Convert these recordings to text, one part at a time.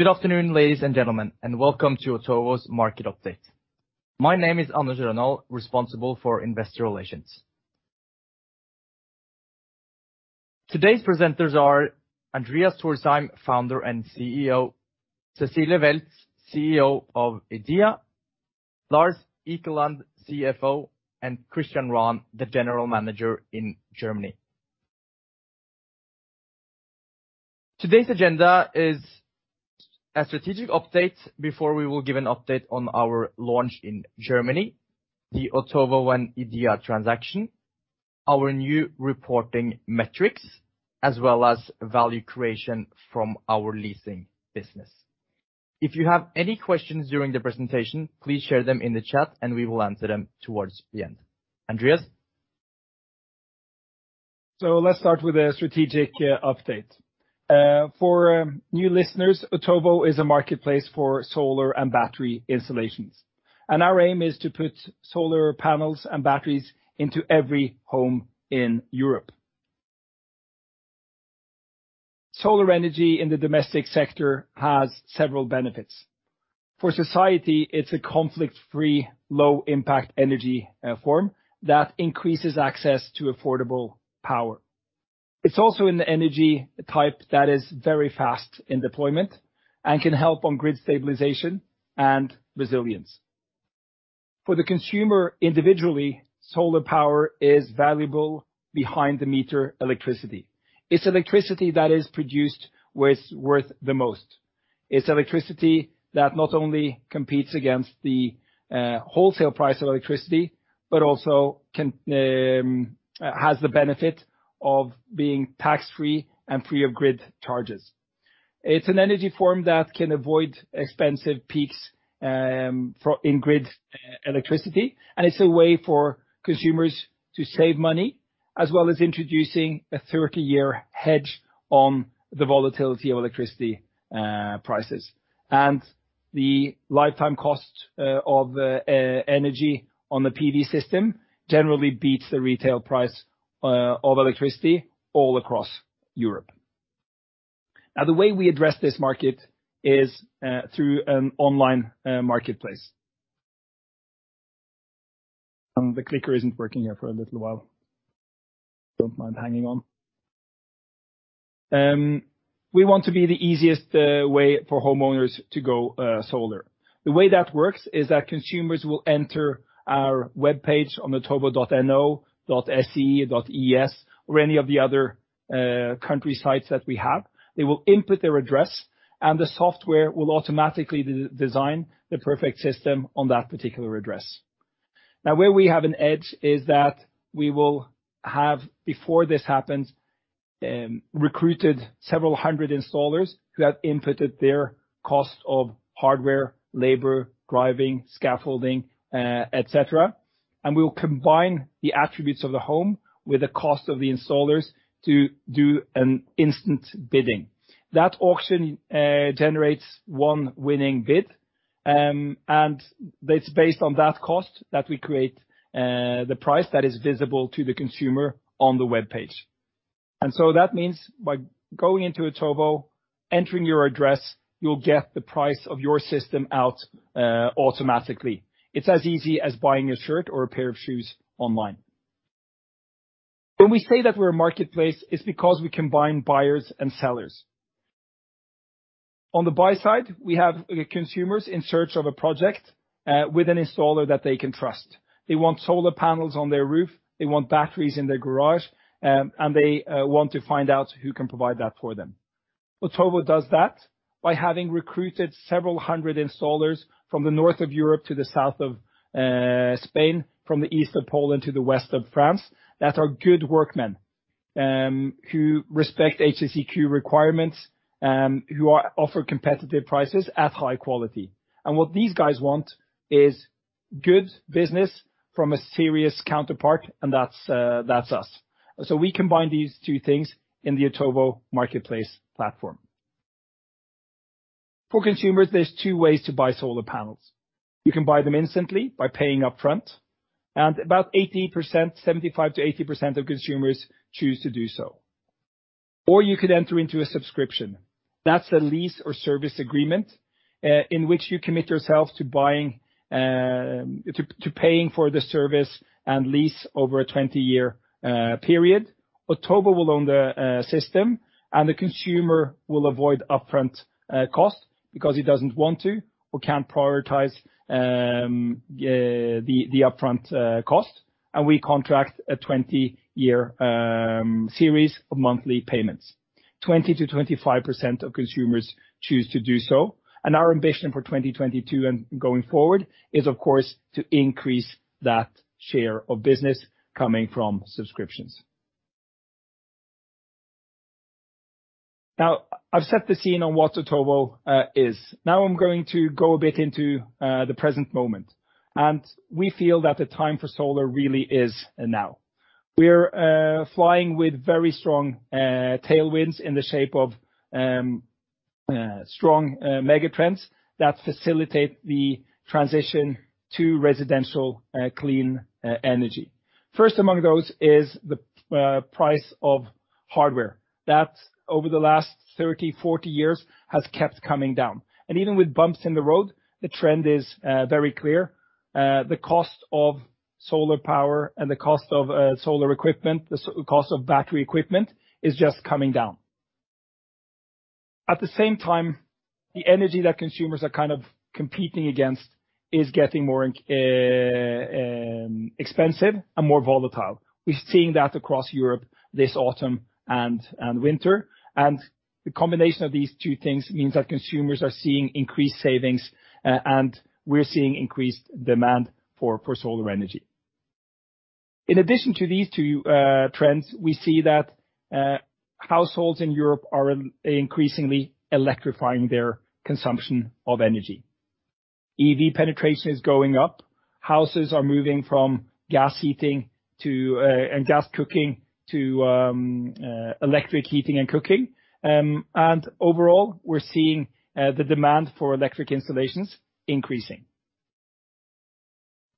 Good afternoon, ladies and gentlemen, and welcome to Otovo's market update. My name is Anders Rønold, responsible for investor relations. Today's presenters are: Andreas Thorsheim, founder and CEO; Cecilie Weltz, CEO of IDEA; Lars Ekelund, CFO; and Christian Rahn, the General Manager in Germany. Today's agenda is a strategic update before we will give an update on our launch in Germany, the Otovo and IDEA transaction, our new reporting metrics, as well as value creation from our leasing business. If you have any questions during the presentation, please share them in the chat and we will answer them towards the end. Andreas. So let's start with the strategic update. For new listeners, Otovo is a marketplace for solar and battery installations, and our aim is to put solar panels and batteries into every home in Europe. Solar energy in the domestic sector has several benefits. For society, it's a conflict-free, low-impact energy form that increases access to affordable power. It's also an energy type that is very fast in deployment and can help on grid stabilization and resilience. For the consumer individually, solar power is valuable behind the meter electricity. It's electricity that is produced where it's worth the most. It's electricity that not only competes against the wholesale price of electricity, but also has the benefit of being tax-free and free of grid charges. It's an energy form that can avoid expensive peaks in grid electricity, and it's a way for consumers to save money, as well as introducing a 30-year hedge on the volatility of electricity prices. And the lifetime cost of energy on the PV system generally beats the retail price of electricity all across Europe. Now, the way we address this market is through an online marketplace. The clicker isn't working here for a little while. Don't mind hanging on. We want to be the easiest way for homeowners to go solar. The way that works is that consumers will enter our webpage on otovo.no.se.es or any of the other country sites that we have. They will input their address, and the software will automatically design the perfect system on that particular address. Now, where we have an edge is that we will have, before this happens, recruited several hundred installers who have inputted their cost of hardware, labor, driving, scaffolding, et cetera, and we will combine the attributes of the home with the cost of the installers to do an instant bidding. That auction generates one winning bid, and it is based on that cost that we create the price that is visible to the consumer on the webpage. That means by going into Otovo, entering your address, you will get the price of your system out automatically. It is as easy as buying a shirt or a pair of shoes online. When we say that we are a marketplace, it is because we combine buyers and sellers. On the buy side, we have consumers in search of a project with an installer that they can trust. They want solar panels on their roof, they want batteries in their garage, and they want to find out who can provide that for them. Otovo does that by having recruited several hundred installers from the north of Europe to the south of Spain, from the east of Poland to the west of France. That are good workmen who respect HSE requirements, who offer competitive prices at high quality. What these guys want is good business from a serious counterpart, and that is us. We combine these two things in the Otovo marketplace platform. For consumers, there are two ways to buy solar panels. You can buy them instantly by paying upfront, and about 80%, 75%-80% of consumers choose to do so. Or you could enter into a subscription. That is a lease or service agreement in which you commit yourself to buying, to paying for the service and lease over a 20-year period. Otovo will own the system, and the consumer will avoid upfront cost because he does not want to or cannot prioritize the upfront cost, and we contract a 20-year series of monthly payments. 20%-25% of consumers choose to do so. Our ambition for 2022 and going forward is, of course, to increase that share of business coming from subscriptions. I have set the scene on what Otovo is. I am going to go a bit into the present moment, and we feel that the time for solar really is now. We are flying with very strong tailwinds in the shape of strong megatrends that facilitate the transition to residential clean energy. First among those is the price of hardware that over the last 30, 40 years has kept coming down. Even with bumps in the road, the trend is very clear. The cost of solar power and the cost of solar equipment, the cost of battery equipment is just coming down. At the same time, the energy that consumers are kind of competing against is getting more expensive and more volatile. We are seeing that across Europe this autumn and winter. The combination of these two things means that consumers are seeing increased savings, and we are seeing increased demand for solar energy. In addition to these two trends, we see that households in Europe are increasingly electrifying their consumption of energy. EV penetration is going up. Houses are moving from gas heating and gas cooking to electric heating and cooking. Overall, we're seeing the demand for electric installations increasing.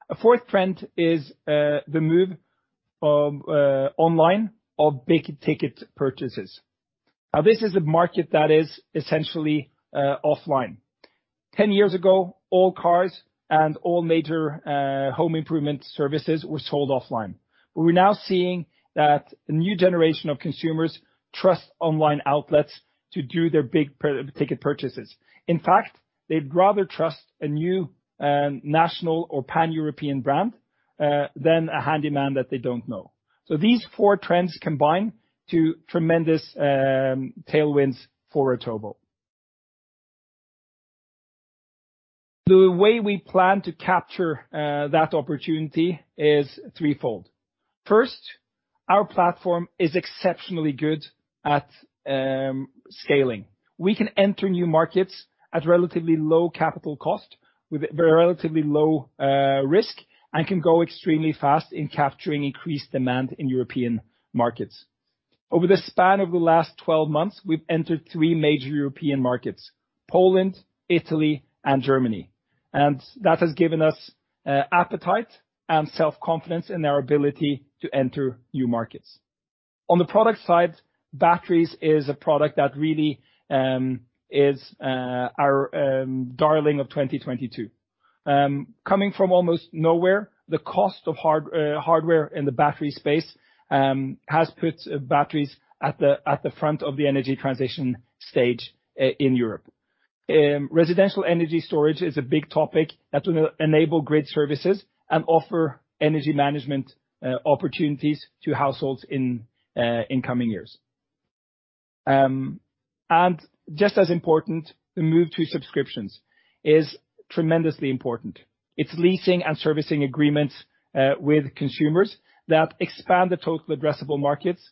A fourth trend is the move online of big-ticket purchases. This is a market that is essentially offline. 10 years ago, all cars and all major home improvement services were sold offline. We're now seeing that a new generation of consumers trust online outlets to do their big-ticket purchases. In fact, they'd rather trust a new national or pan-European brand than a handyman that they don't know. These four trends combine to tremendous tailwinds for Otovo. The way we plan to capture that opportunity is threefold. First, our platform is exceptionally good at scaling. We can enter new markets at relatively low capital cost, with relatively low risk, and can go extremely fast in capturing increased demand in European markets. Over the span of the last 12 months, we've entered three major European markets: Poland, Italy, and Germany. That has given us appetite and self-confidence in our ability to enter new markets. On the product side, batteries is a product that really is our darling of 2022. Coming from almost nowhere, the cost of hardware in the battery space has put batteries at the front of the energy transition stage in Europe. Residential energy storage is a big topic that will enable grid services and offer energy management opportunities to households in coming years. Just as important, the move to subscriptions is tremendously important. It's leasing and servicing agreements with consumers that expand the total addressable markets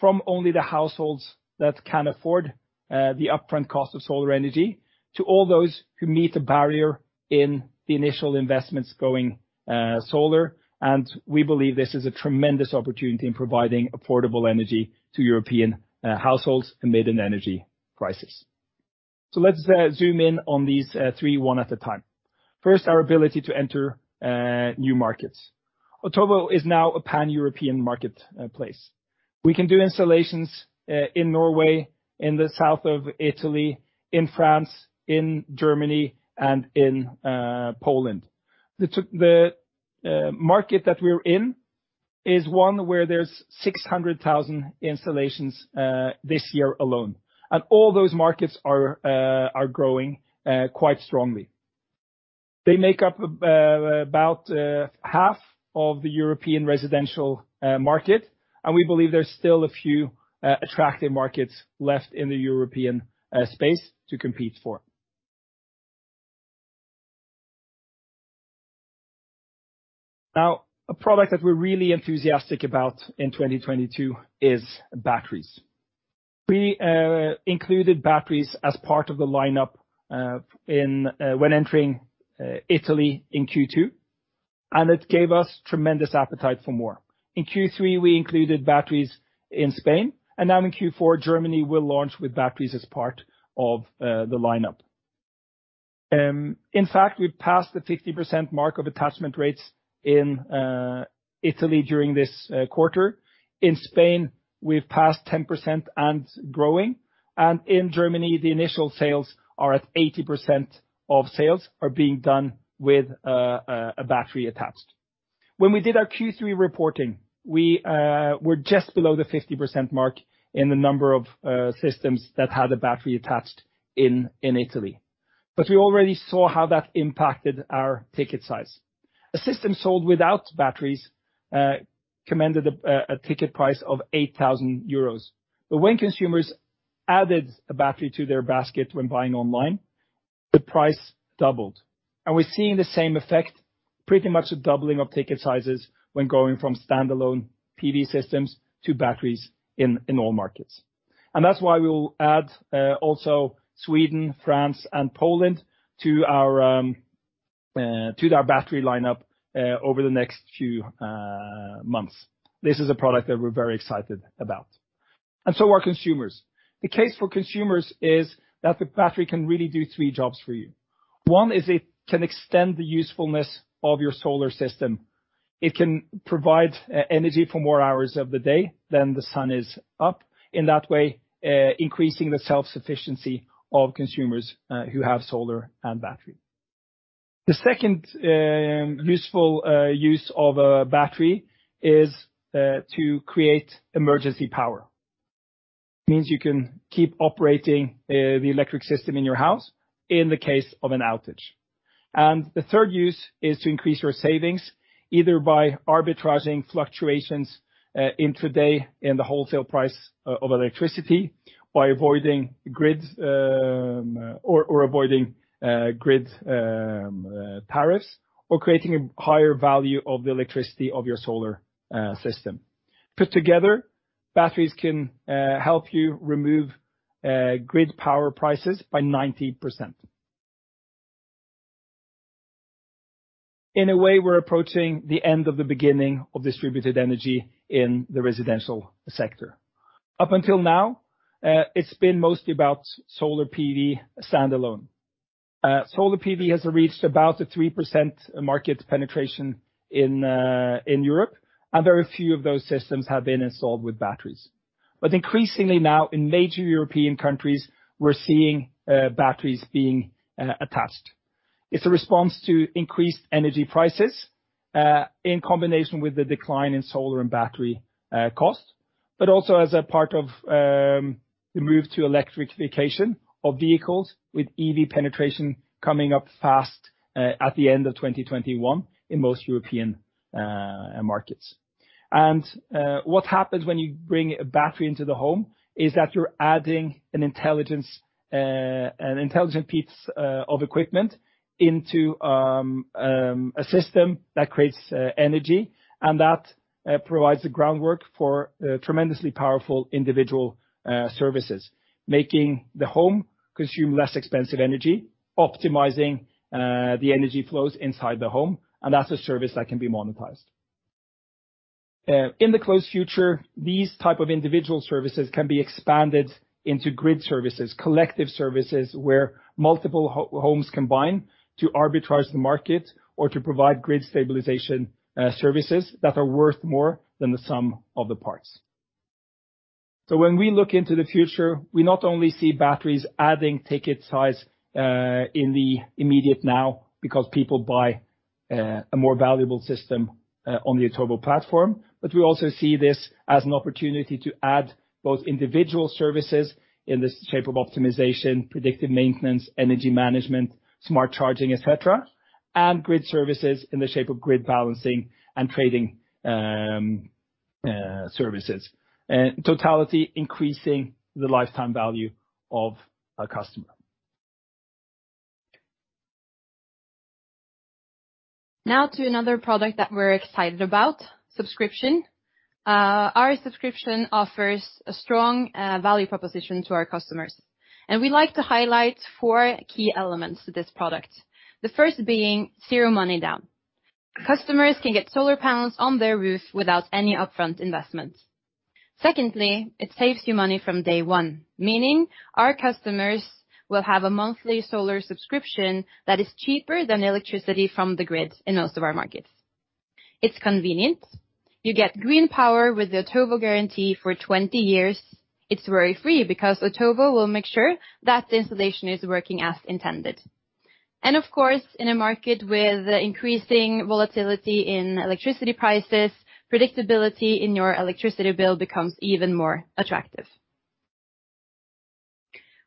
from only the households that can afford the upfront cost of solar energy to all those who meet the barrier in the initial investments going solar. We believe this is a tremendous opportunity in providing affordable energy to European households amid an energy crisis. Let's zoom in on these three, one at a time. First, our ability to enter new markets. Otovo is now a pan-European marketplace. We can do installations in Norway, in the south of Italy, in France, in Germany, and in Poland. The market that we're in is one where there's 600,000 installations this year alone. All those markets are growing quite strongly. They make up about half of the European residential market, and we believe there's still a few attractive markets left in the European space to compete for. Now, a product that we're really enthusiastic about in 2022 is batteries. We included batteries as part of the lineup when entering Italy in Q2. It gave us tremendous appetite for more. In Q3, we included batteries in Spain. Now in Q4, Germany will launch with batteries as part of the lineup. In fact, we've passed the 50% mark of attachment rates in Italy during this quarter. In Spain, we've passed 10% and growing. In Germany, the initial sales are at 80% of sales are being done with a battery attached. When we did our Q3 reporting, we were just below the 50% mark in the number of systems that had a battery attached in Italy. We already saw how that impacted our ticket size. A system sold without batteries commanded a ticket price of €8,000. When consumers added a battery to their basket when buying online, the price doubled. We're seeing the same effect, pretty much a doubling of ticket sizes when going from standalone PV systems to batteries in all markets. That's why we will add also Sweden, France, and Poland to our battery lineup over the next few months. This is a product that we're very excited about. So are consumers. The case for consumers is that the battery can really do three jobs for you. One is it can extend the usefulness of your solar system. It can provide energy for more hours of the day than the sun is up. In that way, increasing the self-sufficiency of consumers who have solar and battery. The second useful use of a battery is to create emergency power. It means you can keep operating the electric system in your house in the case of an outage. The third use is to increase your savings, either by arbitraging fluctuations in today in the wholesale price of electricity, by avoiding grid tariffs, or creating a higher value of the electricity of your solar system. Put together, batteries can help you remove grid power prices by 90%. In a way, we're approaching the end of the beginning of distributed energy in the residential sector. Up until now, it's been mostly about solar PV standalone. Solar PV has reached about a 3% market penetration in Europe, and very few of those systems have been installed with batteries. Increasingly now, in major European countries, we're seeing batteries being attached. It's a response to increased energy prices in combination with the decline in solar and battery cost, also as a part of the move to electrification of vehicles with EV penetration coming up fast at the end of 2021 in most European markets. What happens when you bring a battery into the home is that you're adding an intelligent piece of equipment into a system that creates energy, and that provides the groundwork for tremendously powerful individual services, making the home consume less expensive energy, optimizing the energy flows inside the home, and that's a service that can be monetized. In the close future, these types of individual services can be expanded into grid services, collective services where multiple homes combine to arbitrage the market or to provide grid stabilization services that are worth more than the sum of the parts. When we look into the future, we not only see batteries adding ticket size in the immediate now because people buy a more valuable system on the Otovo platform, we also see this as an opportunity to add both individual services in the shape of optimization, predictive maintenance, energy management, smart charging, et cetera, and grid services in the shape of grid balancing and trading services, in totality increasing the lifetime value of a customer. Now to another product that we're excited about, subscription. Our subscription offers a strong value proposition to our customers. We would like to highlight four key elements to this product, the first being zero money down. Customers can get solar panels on their roof without any upfront investment. Secondly, it saves you money from day one, meaning our customers will have a monthly solar subscription that is cheaper than electricity from the grid in most of our markets. It's convenient. You get green power with the Otovo guarantee for 20 years. It's worry-free because Otovo will make sure that the installation is working as intended. Of course, in a market with increasing volatility in electricity prices, predictability in your electricity bill becomes even more attractive.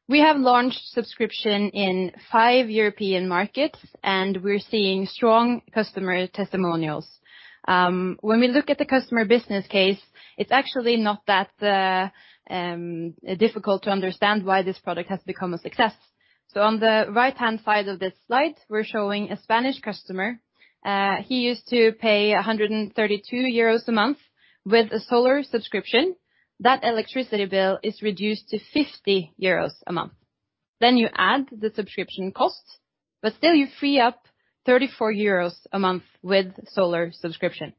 We have launched subscription in five European markets, and we're seeing strong customer testimonials. When we look at the customer business case, it's actually not that difficult to understand why this product has become a success. On the right-hand side of this slide, we're showing a Spanish customer. He used to pay 132 euros a month with a solar subscription. That electricity bill is reduced to 50 euros a month. Then you add the subscription cost, but still you free up 34 euros a month with solar subscription.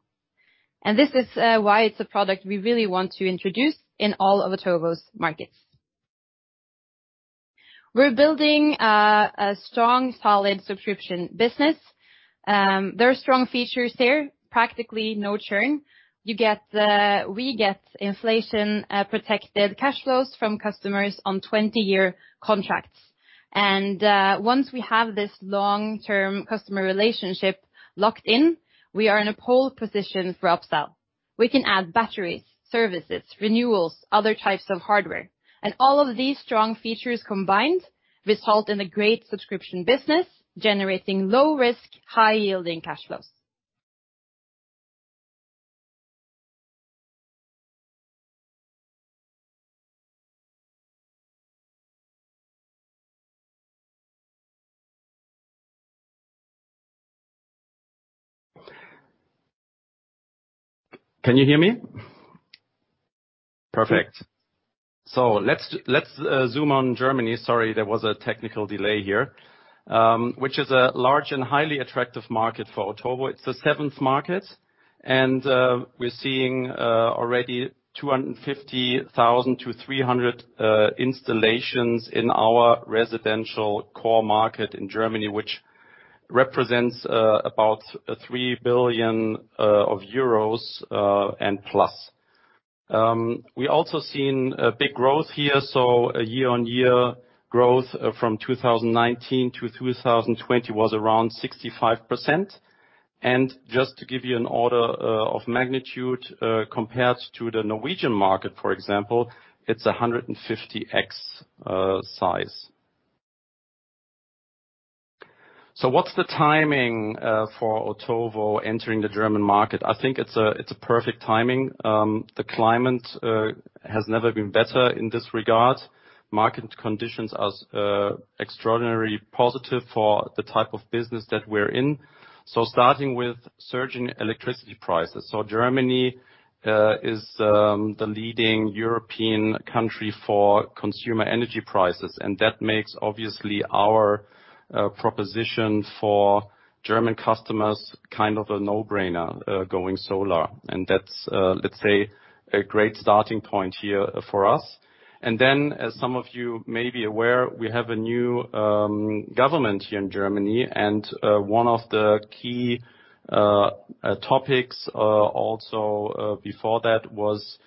This is why it's a product we really want to introduce in all of Otovo's markets. We're building a strong, solid subscription business. There are strong features here, practically no churn. We get inflation-protected cash flows from customers on 20-year contracts. Once we have this long-term customer relationship locked in, we are in a pole position for upsell. We can add batteries, services, renewals, other types of hardware. All of these strong features combined result in a great subscription business, generating low-risk, high-yielding cash flows. Can you hear me? Perfect. Let's zoom on Germany. Sorry, there was a technical delay here, which is a large and highly attractive market for Otovo. It's the seventh market, and we're seeing already 250,000 to 300,000 installations in our residential core market in Germany, which represents about 3 billion euros and plus. We also seen big growth here. Year-on-year growth from 2019 to 2020 was around 65%. Just to give you an order of magnitude, compared to the Norwegian market, for example, it's 150x size. What's the timing for Otovo entering the German market? I think it's a perfect timing. The climate has never been better in this regard. Market conditions are extraordinarily positive for the type of business that we're in. Starting with surging electricity prices. Germany is the leading European country for consumer energy prices, and that makes obviously our proposition for German customers kind of a no-brainer going solar. That's, let's say, a great starting point here for us. As some of you may be aware, we have a new government here in Germany, and one of the key topics also before that was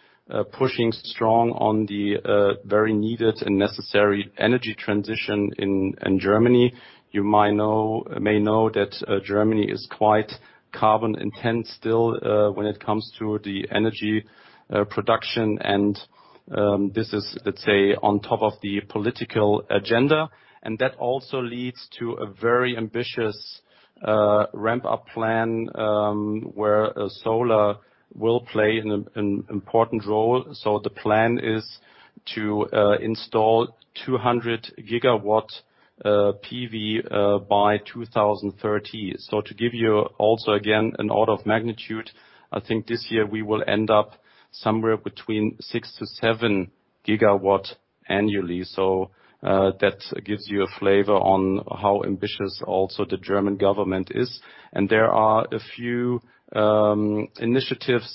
pushing strong on the very needed and necessary energy transition in Germany. You may know that Germany is quite carbon-intense still when it comes to the energy production, and this is, let's say, on top of the political agenda. That also leads to a very ambitious ramp-up plan where solar will play an important role. The plan is to install 200 gigawatt PV by 2030. To give you also, again, an order of magnitude, I think this year we will end up somewhere between six to seven gigawatt annually. That gives you a flavor on how ambitious also the German government is. There are a few initiatives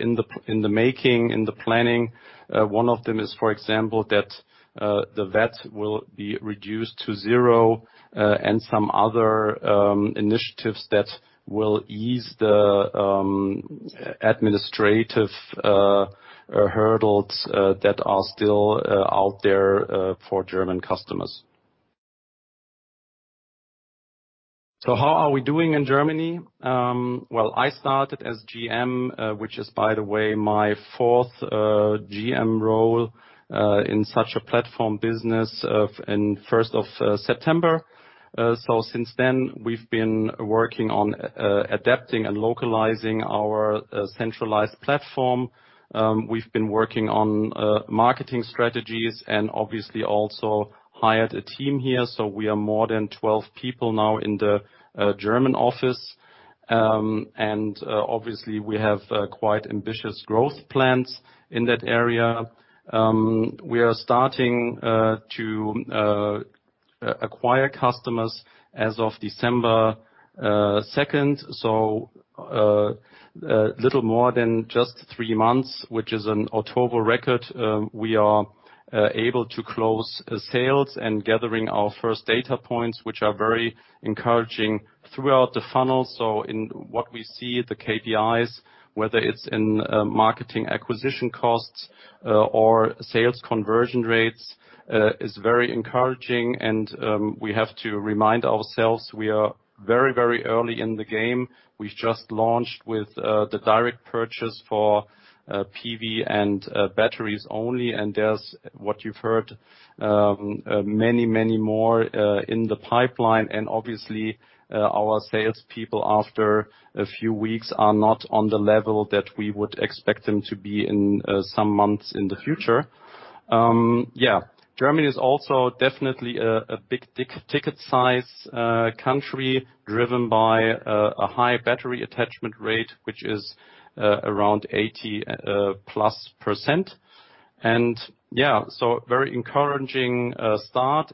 in the making, in the planning. One of them is, for example, that the VAT will be reduced to zero, and some other initiatives that will ease the administrative hurdles that are still out there for German customers. How are we doing in Germany? Well, I started as GM, which is, by the way, my fourth GM role in such a platform business in 1st of September. Since then, we've been working on adapting and localizing our centralized platform. We've been working on marketing strategies and obviously also hired a team here. We are more than 12 people now in the German office. Obviously, we have quite ambitious growth plans in that area. We are starting to acquire customers as of December 2nd, so a little more than just three months, which is an Otovo record. We are able to close sales and gathering our first data points, which are very encouraging throughout the funnel. In what we see, the KPIs, whether it's in marketing acquisition costs or sales conversion rates, is very encouraging. We have to remind ourselves we are very, very early in the game. We've just launched with the direct purchase for PV and batteries only. There's, what you've heard, many, many more in the pipeline. Obviously, our salespeople after a few weeks are not on the level that we would expect them to be in some months in the future. Yeah, Germany is also definitely a big ticket size country driven by a high battery attachment rate, which is around 80% plus. Very encouraging start.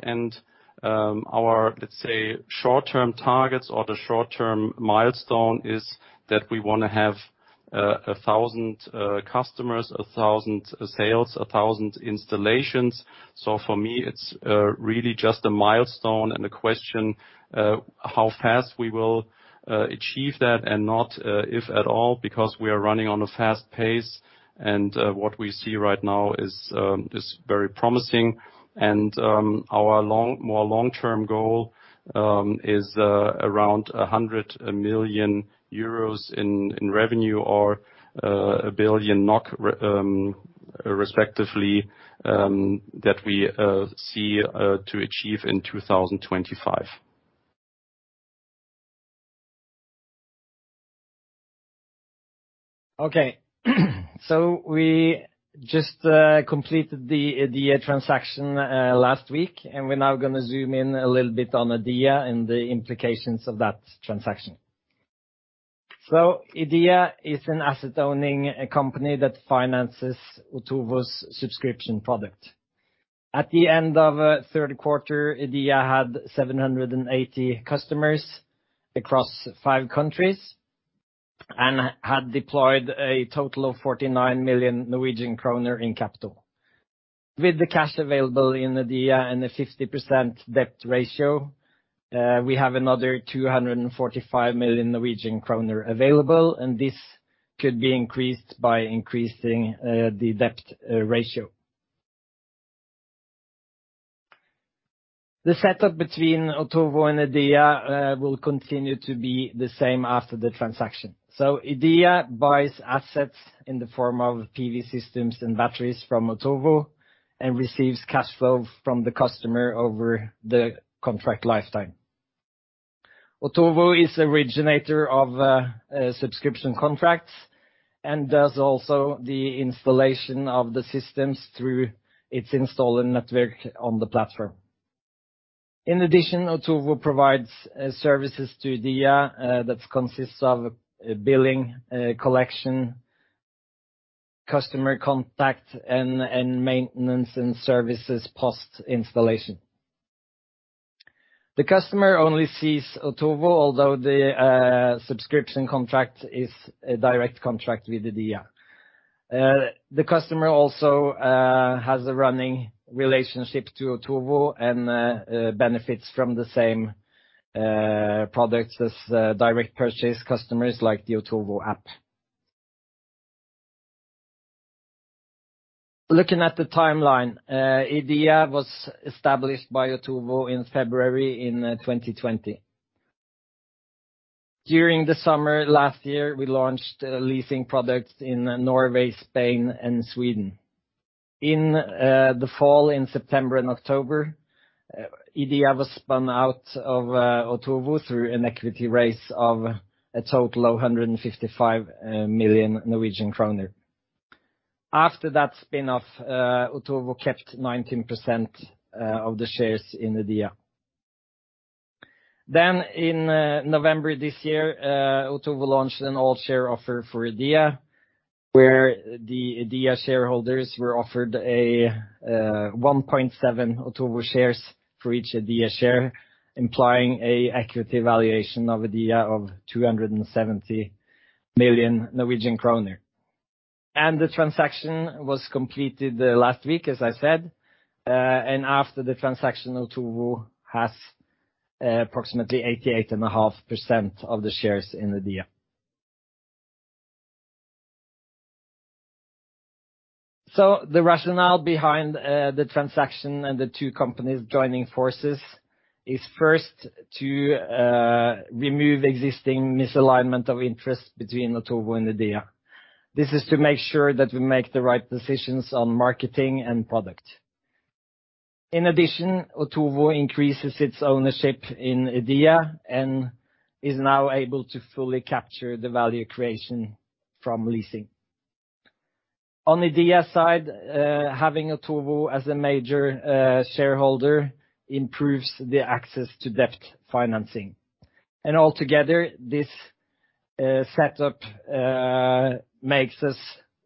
Our, let's say, short-term targets or the short-term milestone is that we want to have 1,000 customers, 1,000 sales, 1,000 installations. For me, it's really just a milestone and a question how fast we will achieve that and not if at all, because we are running on a fast pace. What we see right now is very promising. Our more long-term goal is around 100 million euros in revenue or 1 billion NOK, respectively, that we see to achieve in 2025. Okay. We just completed the transaction last week, and we're now going to zoom in a little bit on IDEA and the implications of that transaction. IDEA is an asset-owning company that finances Otovo's subscription product. At the end of third quarter, IDEA had 780 customers across five countries and had deployed a total of 49 million Norwegian kroner in capital. With the cash available in IDEA and a 50% debt ratio, we have another 245 million Norwegian kroner available, and this could be increased by increasing the debt ratio. The setup between Otovo and IDEA will continue to be the same after the transaction. IDEA buys assets in the form of PV systems and batteries from Otovo and receives cash flow from the customer over the contract lifetime. Otovo is the originator of subscription contracts and does also the installation of the systems through its installer network on the platform. In addition, Otovo provides services to IDEA that consist of billing, collection, customer contact, and maintenance and services post-installation. The customer only sees Otovo, although the subscription contract is a direct contract with IDEA. The customer also has a running relationship to Otovo and benefits from the same products as direct purchase customers like the Otovo app. Looking at the timeline, IDEA was established by Otovo in February in 2020. During the summer last year, we launched leasing products in Norway, Spain, and Sweden. In the fall, in September and October, IDEA was spun out of Otovo through an equity raise of a total of 155 million Norwegian kroner. After that spin-off, Otovo kept 19% of the shares in IDEA. In November this year, Otovo launched an all-share offer for IDEA, where the IDEA shareholders were offered 1.7 Otovo shares for each IDEA share, implying an equity valuation of IDEA of 270 million Norwegian kroner. The transaction was completed last week, as I said. After the transaction, Otovo has approximately 88.5% of the shares in IDEA. The rationale behind the transaction and the two companies joining forces is first to remove existing misalignment of interest between Otovo and IDEA. This is to make sure that we make the right decisions on marketing and product. In addition, Otovo increases its ownership in IDEA and is now able to fully capture the value creation from leasing. On IDEA side, having Otovo as a major shareholder improves the access to debt financing. Altogether, this setup makes us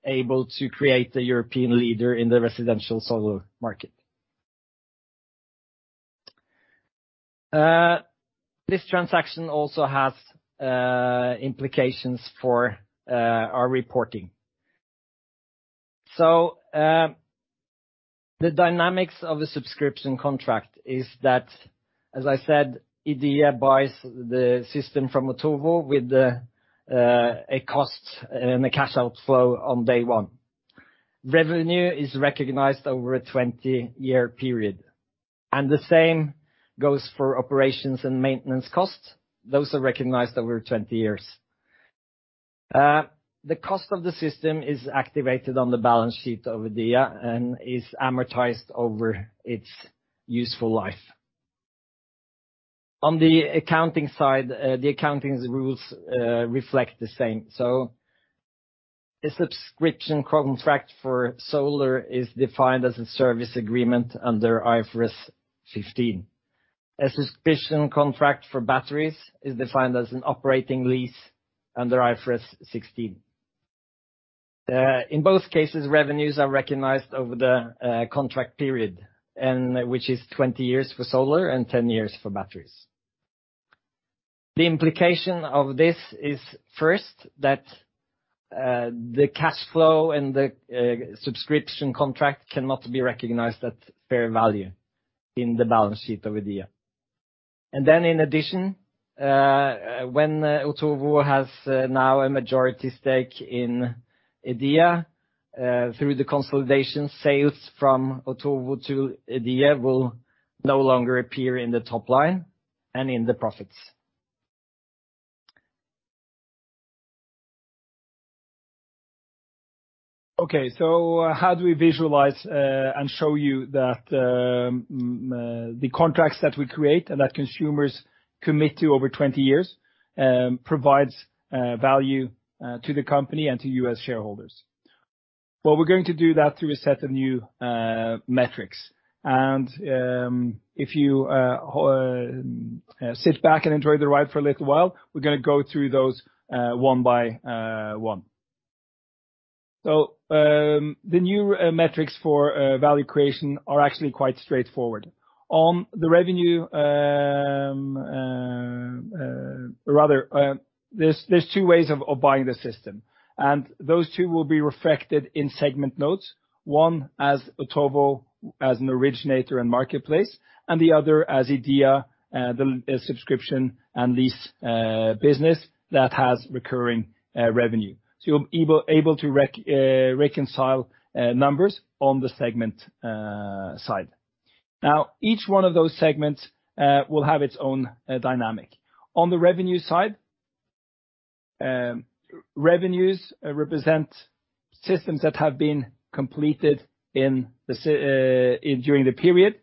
able to create a European leader in the residential solar market. This transaction also has implications for our reporting. The dynamics of a subscription contract is that, as I said, IDEA buys the system from Otovo with a cost and a cash outflow on day one. Revenue is recognized over a 20-year period. The same goes for operations and maintenance cost. Those are recognized over 20 years. The cost of the system is activated on the balance sheet of IDEA and is amortized over its useful life. On the accounting side, the accounting rules reflect the same. A subscription contract for solar is defined as a service agreement under IFRS 15. A subscription contract for batteries is defined as an operating lease under IFRS 16. In both cases, revenues are recognized over the contract period, which is 20 years for solar and 10 years for batteries. The implication of this is first that the cash flow and the subscription contract cannot be recognized at fair value in the balance sheet of IDEA. In addition, when Otovo has now a majority stake in IDEA, through the consolidation, sales from Otovo to IDEA will no longer appear in the top line and in the profits. How do we visualize and show you that the contracts that we create and that consumers commit to over 20 years provides value to the company and to U.S. shareholders? Well, we're going to do that through a set of new metrics. If you sit back and enjoy the ride for a little while, we're going to go through those one by one. The new metrics for value creation are actually quite straightforward. On the revenue, rather, there's two ways of buying the system. Those two will be reflected in segment notes, one as Otovo as an originator and marketplace, and the other as IDEA, the subscription and lease business that has recurring revenue. You'll be able to reconcile numbers on the segment side. Each one of those segments will have its own dynamic. On the revenue side, revenues represent systems that have been completed during the period,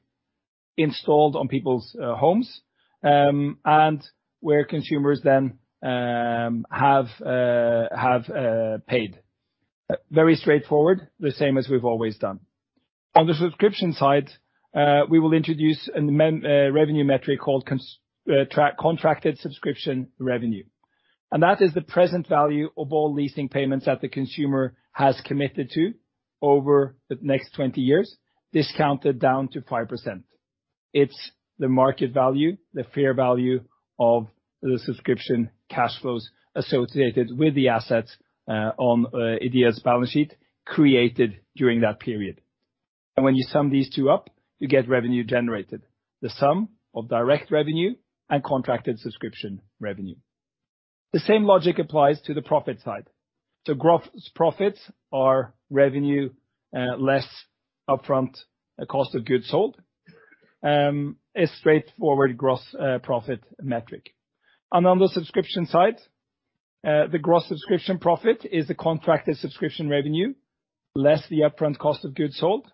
installed on people's homes, and where consumers then have paid. Very straightforward, the same as we've always done. On the subscription side, we will introduce a revenue metric called contracted subscription revenue. That is the present value of all leasing payments that the consumer has committed to over the next 20 years, discounted down to 5%. It's the market value, the fair value of the subscription cash flows associated with the assets on IDEA's balance sheet created during that period. When you sum these two up, you get revenue generated, the sum of direct revenue and contracted subscription revenue. The same logic applies to the profit side. Gross profits are revenue less upfront cost of goods sold. A straightforward gross profit metric. On the subscription side, the gross subscription profit is the contracted subscription revenue less the upfront cost of goods sold.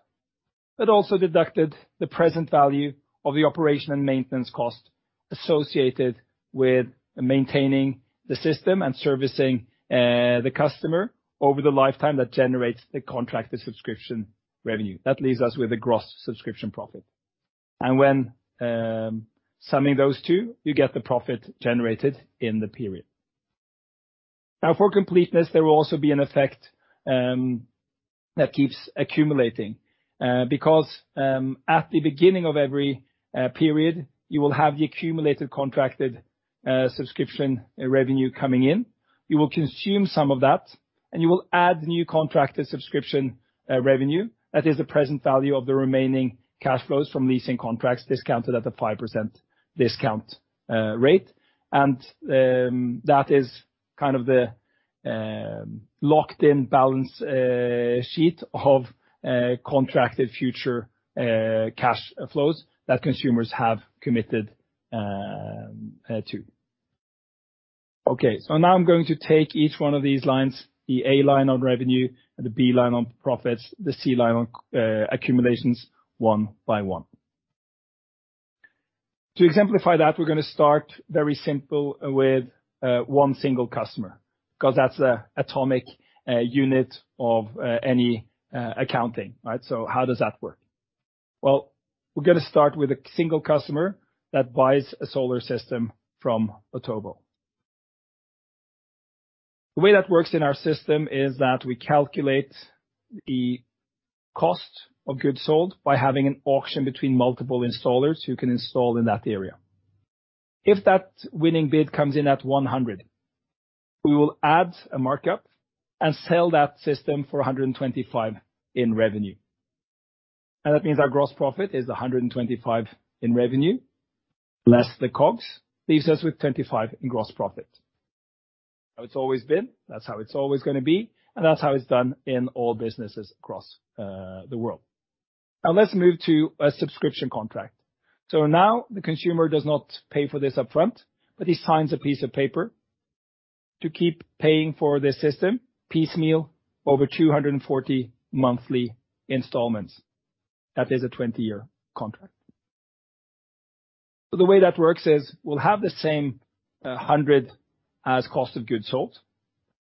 It also deducted the present value of the operation and maintenance cost associated with maintaining the system and servicing the customer over the lifetime that generates the contracted subscription revenue. That leaves us with a gross subscription profit. When summing those two, you get the profit generated in the period. For completeness, there will also be an effect that keeps accumulating because at the beginning of every period, you will have the accumulated contracted subscription revenue coming in. You will consume some of that, and you will add new contracted subscription revenue. That is the present value of the remaining cash flows from leasing contracts discounted at a 5% discount rate. That is kind of the locked-in balance sheet of contracted future cash flows that consumers have committed to. Okay. Now I'm going to take each one of these lines, the A line on revenue, the B line on profits, the C line on accumulations, one by one. To exemplify that, we're going to start very simple with one single customer because that's the atomic unit of any accounting. How does that work? We're going to start with a single customer that buys a solar system from Otovo. The way that works in our system is that we calculate the cost of goods sold by having an auction between multiple installers who can install in that area. If that winning bid comes in at 100, we will add a markup and sell that system for 125 in revenue. That means our gross profit is 125 in revenue, less the COGS, leaves us with 25 in gross profit. How it's always been, that's how it's always going to be, and that's how it's done in all businesses across the world. Let's move to a subscription contract. Now the consumer does not pay for this upfront, but he signs a piece of paper to keep paying for this system piecemeal over 240 monthly installments. That is a 20-year contract. The way that works is we'll have the same 100 as cost of goods sold.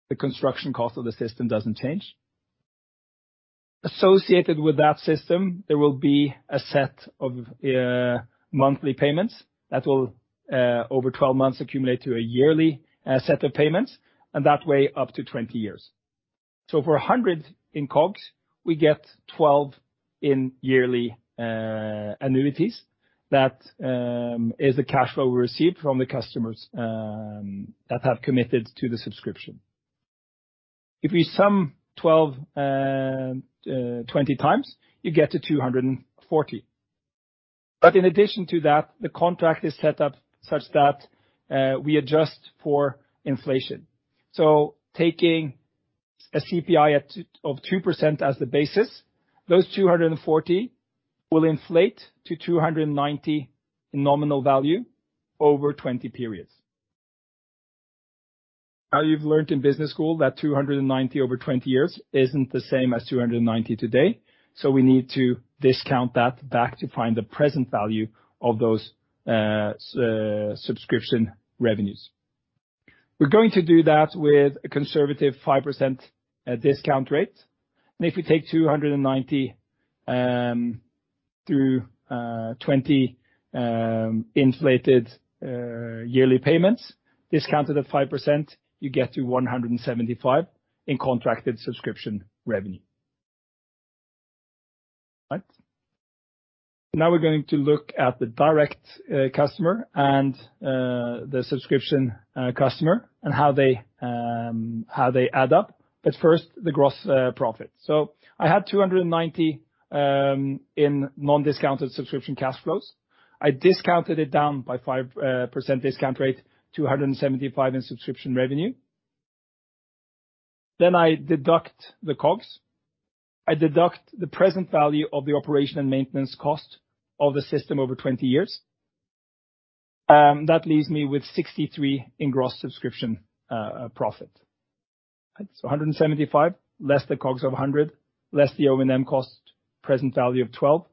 The construction cost of the system doesn't change. Associated with that system, there will be a set of monthly payments that will, over 12 months, accumulate to a yearly set of payments, and that way up to 20 years. For 100 in COGS, we get 12 in yearly annuities. That is the cash flow we receive from the customers that have committed to the subscription. If we sum 12 20 times, you get to 240. In addition to that, the contract is set up such that we adjust for inflation. Taking a CPI of 2% as the basis, those 240 will inflate to 290 in nominal value over 20 periods. You've learned in business school that 290 over 20 years isn't the same as 290 today. We need to discount that back to find the present value of those subscription revenues. We're going to do that with a conservative 5% discount rate. If we take 290 through 20 inflated yearly payments, discounted at 5%, you get to 175 in contracted subscription revenue. We're going to look at the direct customer and the subscription customer and how they add up. First, the gross profit. I had 290 in non-discounted subscription cash flows. I discounted it down by 5% discount rate, 275 in subscription revenue. I deduct the COGS. I deduct the present value of the operation and maintenance cost of the system over 20 years. That leaves me with 63 in gross subscription profit. 175 less the COGS of 100, less the O&M cost, present value of 12,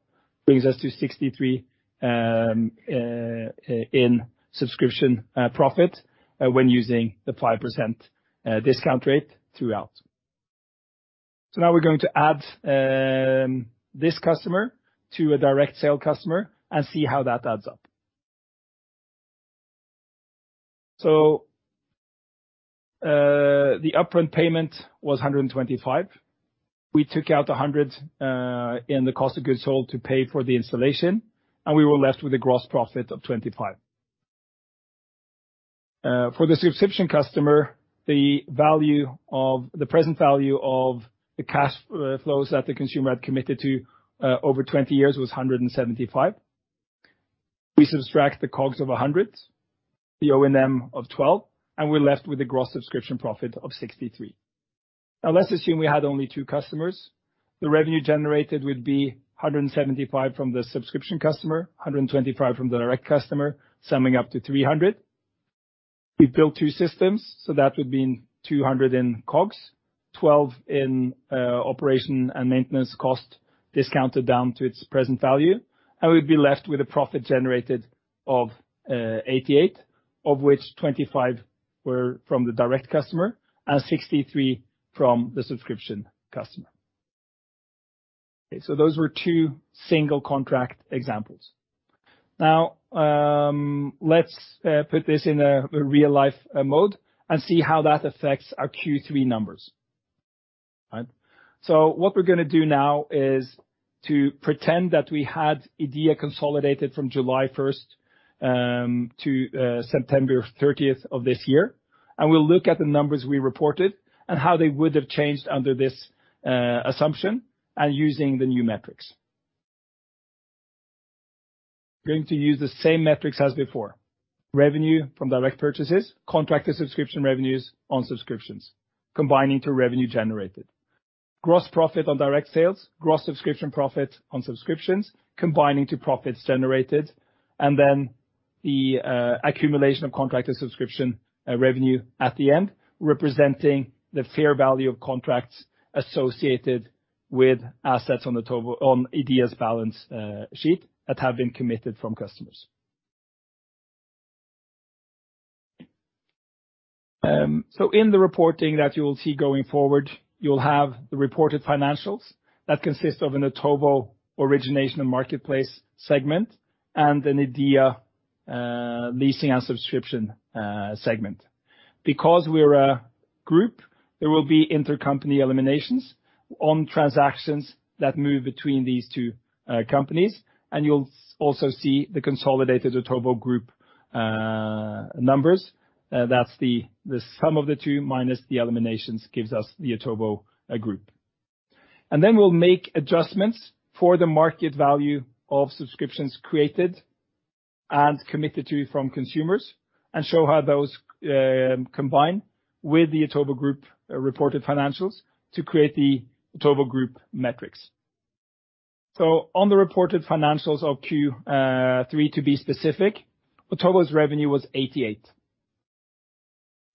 brings us to 63 in subscription profit when using the 5% discount rate throughout. Now we're going to add this customer to a direct sale customer and see how that adds up. The upfront payment was 125. We took out 100 in the cost of goods sold to pay for the installation, and we were left with a gross profit of 25. For the subscription customer, the present value of the cash flows that the consumer had committed to over 20 years was 175. We subtract the COGS of 100, the O&M of 12, and we are left with a gross subscription profit of 63. Let's assume we had only two customers. The revenue generated would be 175 from the subscription customer, 125 from the direct customer, summing up to 300. We have built two systems, that would mean 200 in COGS, 12 in operation and maintenance cost discounted down to its present value. We would be left with a profit generated of 88, of which 25 were from the direct customer and 63 from the subscription customer. Those were two single contract examples. Let's put this in a real-life mode and see how that affects our Q3 numbers. What we are going to do now is to pretend that we had IDEA consolidated from July 1st to September 30th of this year. We will look at the numbers we reported and how they would have changed under this assumption and using the new metrics. We are going to use the same metrics as before. Revenue from direct purchases, contracted subscription revenues on subscriptions, combining to revenue generated. Gross profit on direct sales, gross subscription profit on subscriptions, combining to profits generated, and then the accumulation of contracted subscription revenue at the end, representing the fair value of contracts associated with assets on IDEA's balance sheet that have been committed from customers. In the reporting that you will see going forward, you will have the reported financials that consist of an Otovo origination and marketplace segment and an IDEA leasing and subscription segment. Because we are a group, there will be intercompany eliminations on transactions that move between these two companies. You will also see the consolidated Otovo group numbers. That is the sum of the two minus the eliminations gives us the Otovo group. We will make adjustments for the market value of subscriptions created and committed to from consumers and show how those combine with the Otovo group reported financials to create the Otovo group metrics. On the reported financials of Q3, to be specific, Otovo's revenue was 88.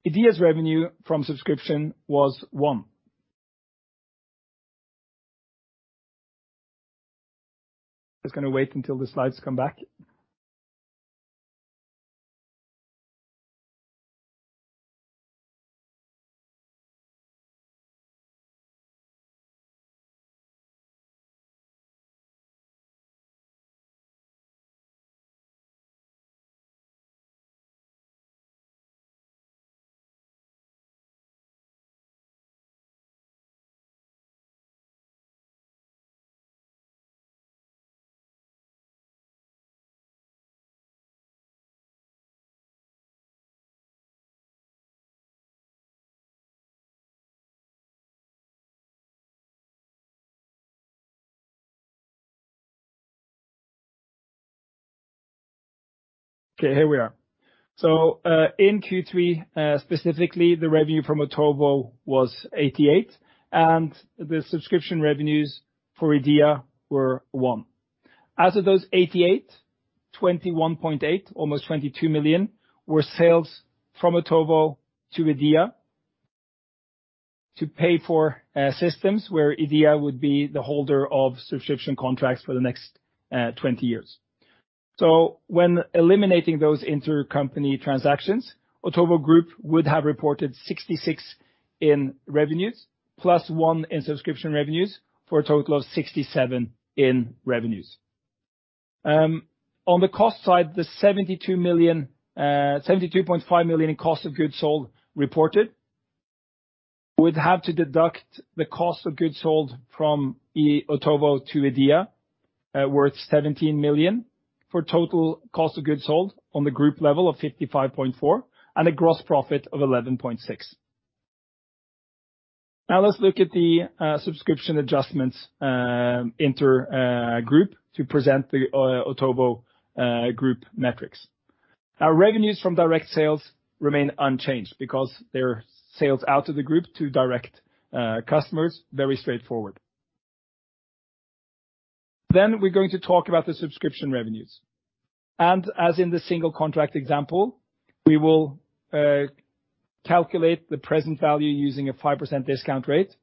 IDEA's revenue from subscription was 1. I am just going to wait until the slides come back. Here we are. In Q3, specifically, the revenue from Otovo was 88, and the subscription revenues for IDEA were 1. Out of those 88, 21.8, almost 22 million, were sales from Otovo to IDEA to pay for systems where IDEA would be the holder of subscription contracts for the next 20 years. When eliminating those intercompany transactions, Otovo group would have reported 66 in revenues, plus 1 in subscription revenues, for a total of 67 in revenues. On the cost side, the 72.5 million in cost of goods sold reported would have to deduct the cost of goods sold from Otovo to IDEA, worth 17 million, for total cost of goods sold on the group level of 55.4 and a gross profit of 11.6. Let's look at the subscription adjustments intergroup to present the Otovo group metrics. Revenues from direct sales remain unchanged because they are sales out of the group to direct customers, very straightforward. We are going to talk about the subscription revenues. As in the single contract example, we will calculate the present value using a 5% discount rate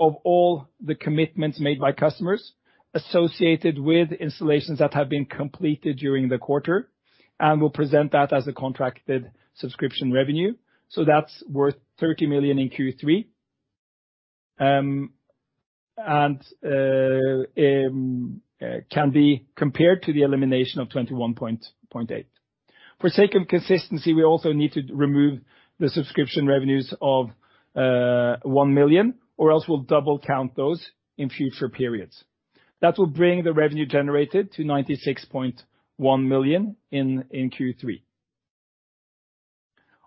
of all the commitments made by customers associated with installations that have been completed during the quarter, we'll present that as a contracted subscription revenue. That's worth 30 million in Q3 and can be compared to the elimination of 21.8. For second consistency, we also need to remove the subscription revenues of 1 million, or else we'll double-count those in future periods. Will bring the revenue generated to 96.1 million in Q3.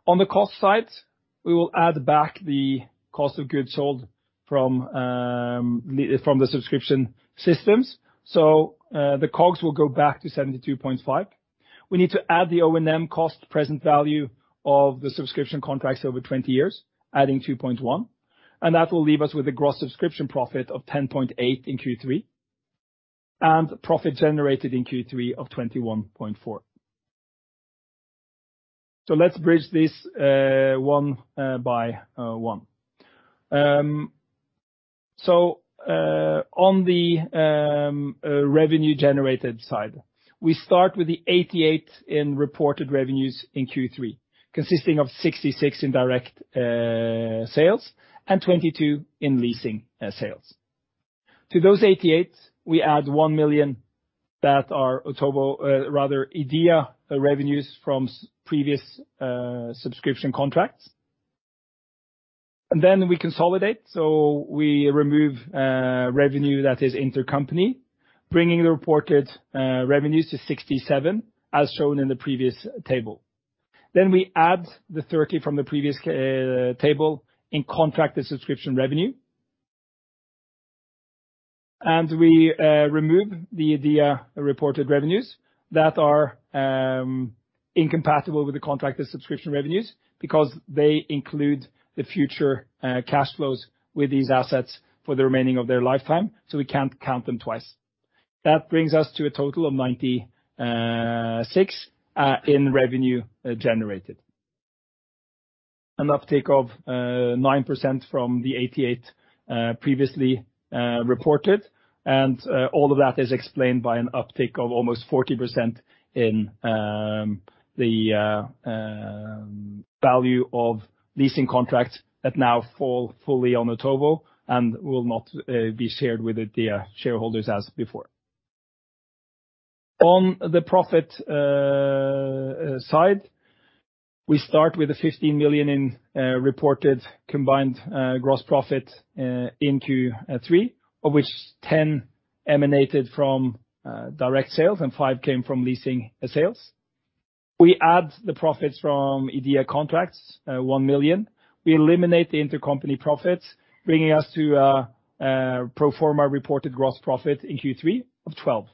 On the cost side, we will add back the cost of goods sold from the subscription systems. The COGS will go back to 72.5. We need to add the O&M cost present value of the subscription contracts over 20 years, adding 2.1. That will leave us with a gross subscription profit of 10.8 in Q3 and profit generated in Q3 of NOK 21.4. Let's bridge this one by one. On the revenue generated side, we start with the 88 in reported revenues in Q3, consisting of 66 in direct sales and 22 in leasing sales. To those 88, we add 1 million that are Otovo, rather IDEA revenues from previous subscription contracts. We consolidate. We remove revenue that is intercompany, bringing the reported revenues to 67, as shown in the previous table. We add the 30 from the previous table in contracted subscription revenue. We remove the IDEA reported revenues that are incompatible with the contracted subscription revenues because they include the future cash flows with these assets for the remaining of their lifetime. We can't count them twice. Brings us to a total of 96 in revenue generated. An uptake of 9% from the 88 previously reported. All of that is explained by an uptake of almost 40% in the value of leasing contracts that now fall fully on Otovo and will not be shared with IDEA shareholders as before. On the profit side, we start with the 15 million in reported combined gross profit in Q3, of which 10 emanated from direct sales and 5 came from leasing sales. We add the profits from IDEA contracts, 1 million. We eliminate the intercompany profits, bringing us to a pro forma reported gross profit in Q3 of 12.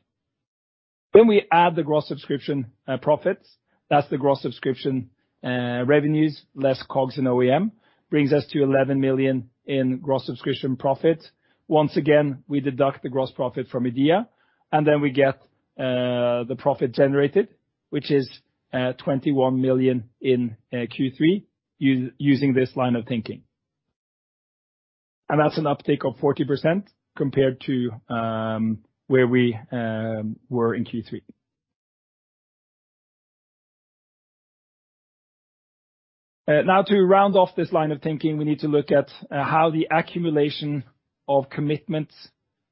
We add the gross subscription profits. That's the gross subscription revenues less COGS and O&M, brings us to 11 million in gross subscription profit. Once again, we deduct the gross profit from IDEA. We get the profit generated, which is 21 million in Q3 using this line of thinking. That's an uptake of 40% compared to where we were in Q3. To round off this line of thinking, we need to look at how the accumulation of commitments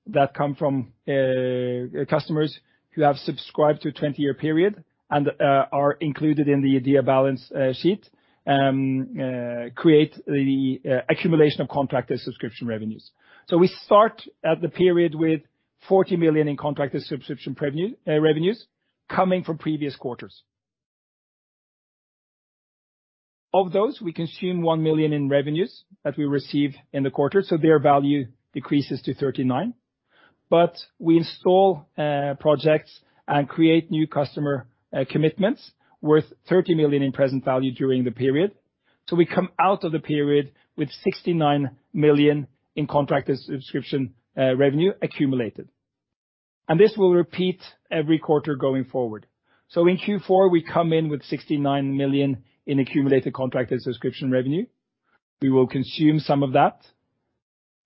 that come from customers who have subscribed to a 20-year period and are included in the IDEA balance sheet create the accumulation of contracted subscription revenues. We start at the period with 40 million in contracted subscription revenues coming from previous quarters. Of those, we consume 1 million in revenues that we receive in the quarter. Their value decreases to 39. We install projects and create new customer commitments worth 30 million in present value during the period. We come out of the period with 69 million in contracted subscription revenue accumulated. This will repeat every quarter going forward. In Q4, we come in with 69 million in accumulated contracted subscription revenue. We will consume some of that.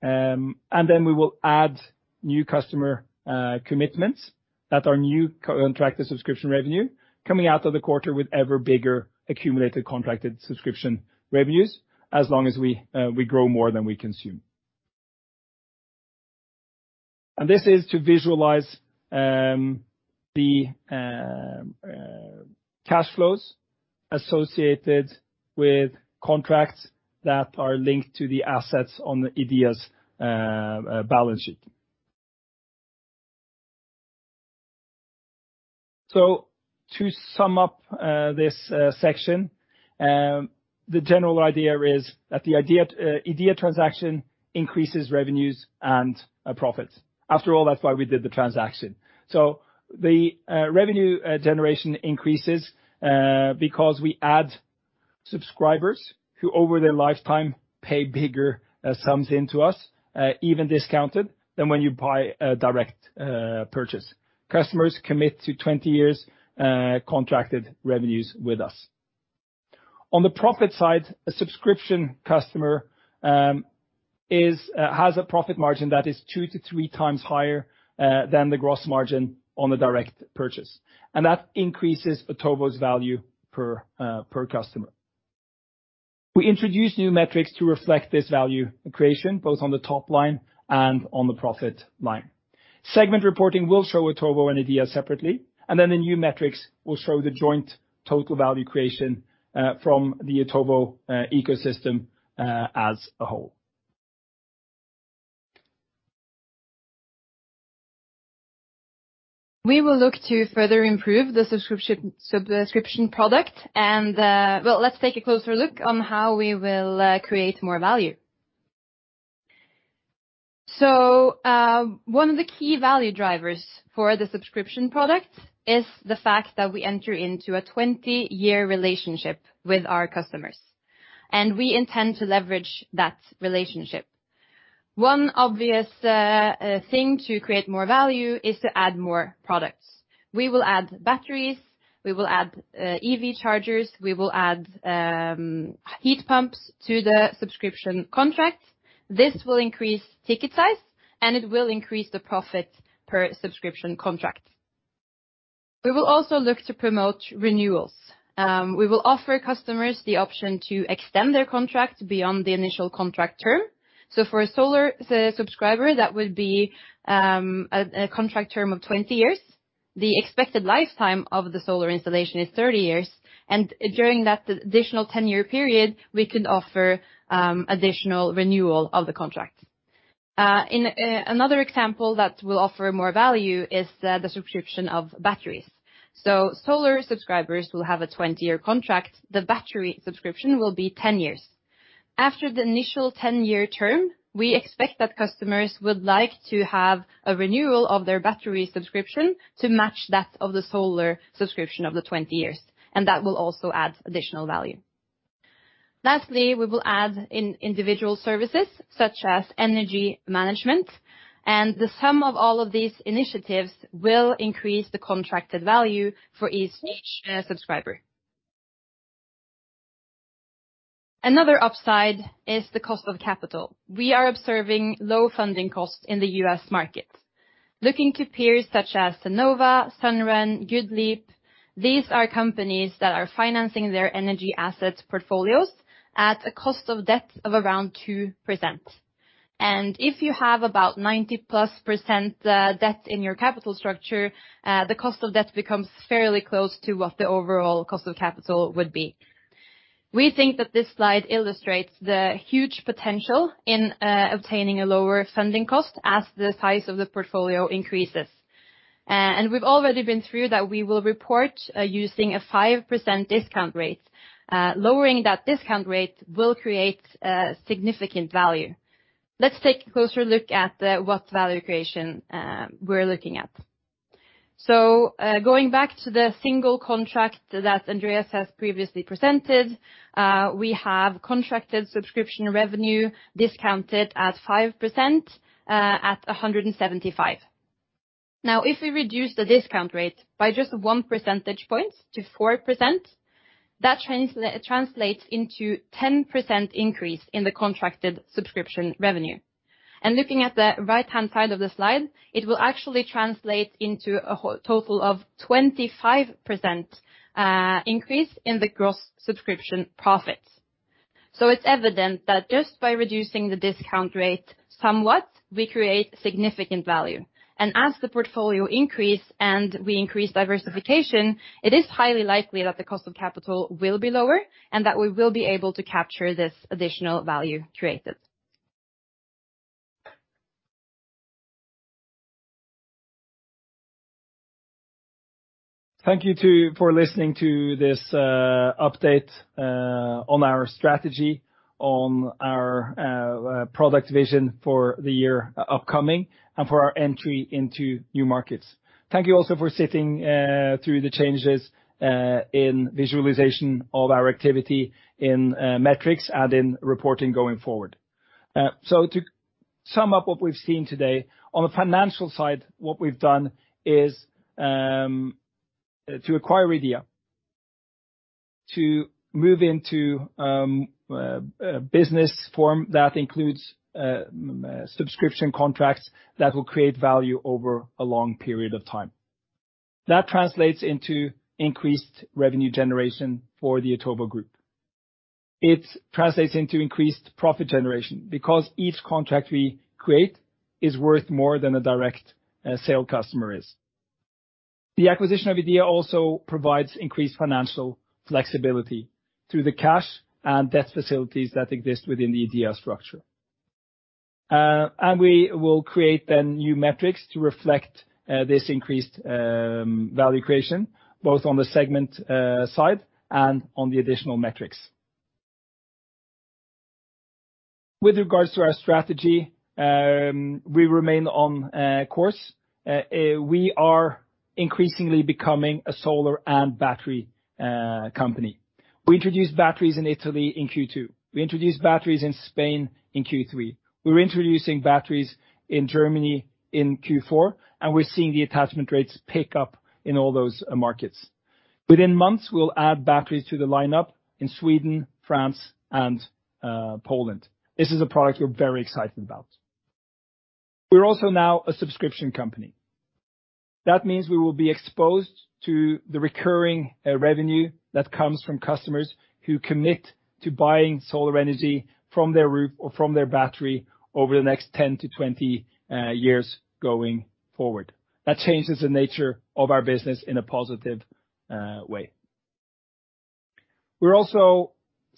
We will add new customer commitments that are new contracted subscription revenue, coming out of the quarter with ever bigger accumulated contracted subscription revenues as long as we grow more than we consume. This is to visualize the cash flows associated with contracts that are linked to the assets on IDEA's balance sheet. To sum up this section, the general idea is that the IDEA transaction increases revenues and profits. After all, that's why we did the transaction. The revenue generation increases because we add subscribers who, over their lifetime, pay bigger sums into us, even discounted than when you buy a direct purchase. Customers commit to 20 years contracted revenues with us. On the profit side, a subscription customer has a profit margin that is two to three times higher than the gross margin on the direct purchase. That increases Otovo's value per customer. We introduce new metrics to reflect this value creation, both on the top line and on the profit line. Segment reporting will show Otovo and IDEA separately. The new metrics will show the joint total value creation from the Otovo ecosystem as a whole. We will look to further improve the subscription product. Well, let's take a closer look on how we will create more value. One of the key value drivers for the subscription product is the fact that we enter into a 20-year relationship with our customers. We intend to leverage that relationship. One obvious thing to create more value is to add more products. We will add batteries, we will add EV chargers, we will add heat pumps to the subscription contract. This will increase ticket size, and it will increase the profit per subscription contract. We will also look to promote renewals. We will offer customers the option to extend their contract beyond the initial contract term. For a solar subscriber, that would be a contract term of 20 years. The expected lifetime of the solar installation is 30 years. During that additional 10-year period, we could offer additional renewal of the contract. Another example that will offer more value is the subscription of batteries. Solar subscribers will have a 20-year contract. The battery subscription will be 10 years. After the initial 10-year term, we expect that customers would like to have a renewal of their battery subscription to match that of the solar subscription of the 20 years. That will also add additional value. Lastly, we will add individual services, such as energy management. The sum of all of these initiatives will increase the contracted value for each subscriber. Another upside is the cost of capital. We are observing low funding costs in the U.S. market. Looking to peers such as Enova, Sunrun, GoodLeap, these are companies that are financing their energy assets portfolios at a cost of debt of around 2%. If you have about 90-plus % debt in your capital structure, the cost of debt becomes fairly close to what the overall cost of capital would be. We think that this slide illustrates the huge potential in obtaining a lower funding cost as the size of the portfolio increases. We've already been through that we will report using a 5% discount rate. Lowering that discount rate will create significant value. Let's take a closer look at what value creation we're looking at. Going back to the single contract that Andreas has previously presented, we have contracted subscription revenue discounted at 5% at 175. If we reduce the discount rate by just 1 percentage point to 4%, that translates into a 10% increase in the contracted subscription revenue. Looking at the right-hand side of the slide, it will actually translate into a total of 25% increase in the gross subscription profits. It's evident that just by reducing the discount rate somewhat, we create significant value. As the portfolio increases and we increase diversification, it is highly likely that the cost of capital will be lower and that we will be able to capture this additional value created. Thank you for listening to this update on our strategy, on our product vision for the year upcoming, and for our entry into new markets. Thank you also for sitting through the changes in visualization of our activity in metrics and in reporting going forward. To sum up what we've seen today, on the financial side, what we've done is to acquire IDEA, to move into a business form that includes subscription contracts that will create value over a long period of time. That translates into increased revenue generation for the Otovo group. It translates into increased profit generation because each contract we create is worth more than a direct sale customer is. The acquisition of IDEA also provides increased financial flexibility through the cash and debt facilities that exist within the IDEA structure. We will create then new metrics to reflect this increased value creation, both on the segment side and on the additional metrics. With regards to our strategy, we remain on course. We are increasingly becoming a solar and battery company. We introduced batteries in Italy in Q2. We introduced batteries in Spain in Q3. We're introducing batteries in Germany in Q4. We're seeing the attachment rates pick up in all those markets. Within months, we'll add batteries to the lineup in Sweden, France, and Poland. This is a product we're very excited about. We're also now a subscription company. That means we will be exposed to the recurring revenue that comes from customers who commit to buying solar energy from their roof or from their battery over the next 10 to 20 years going forward. That changes the nature of our business in a positive way. We're also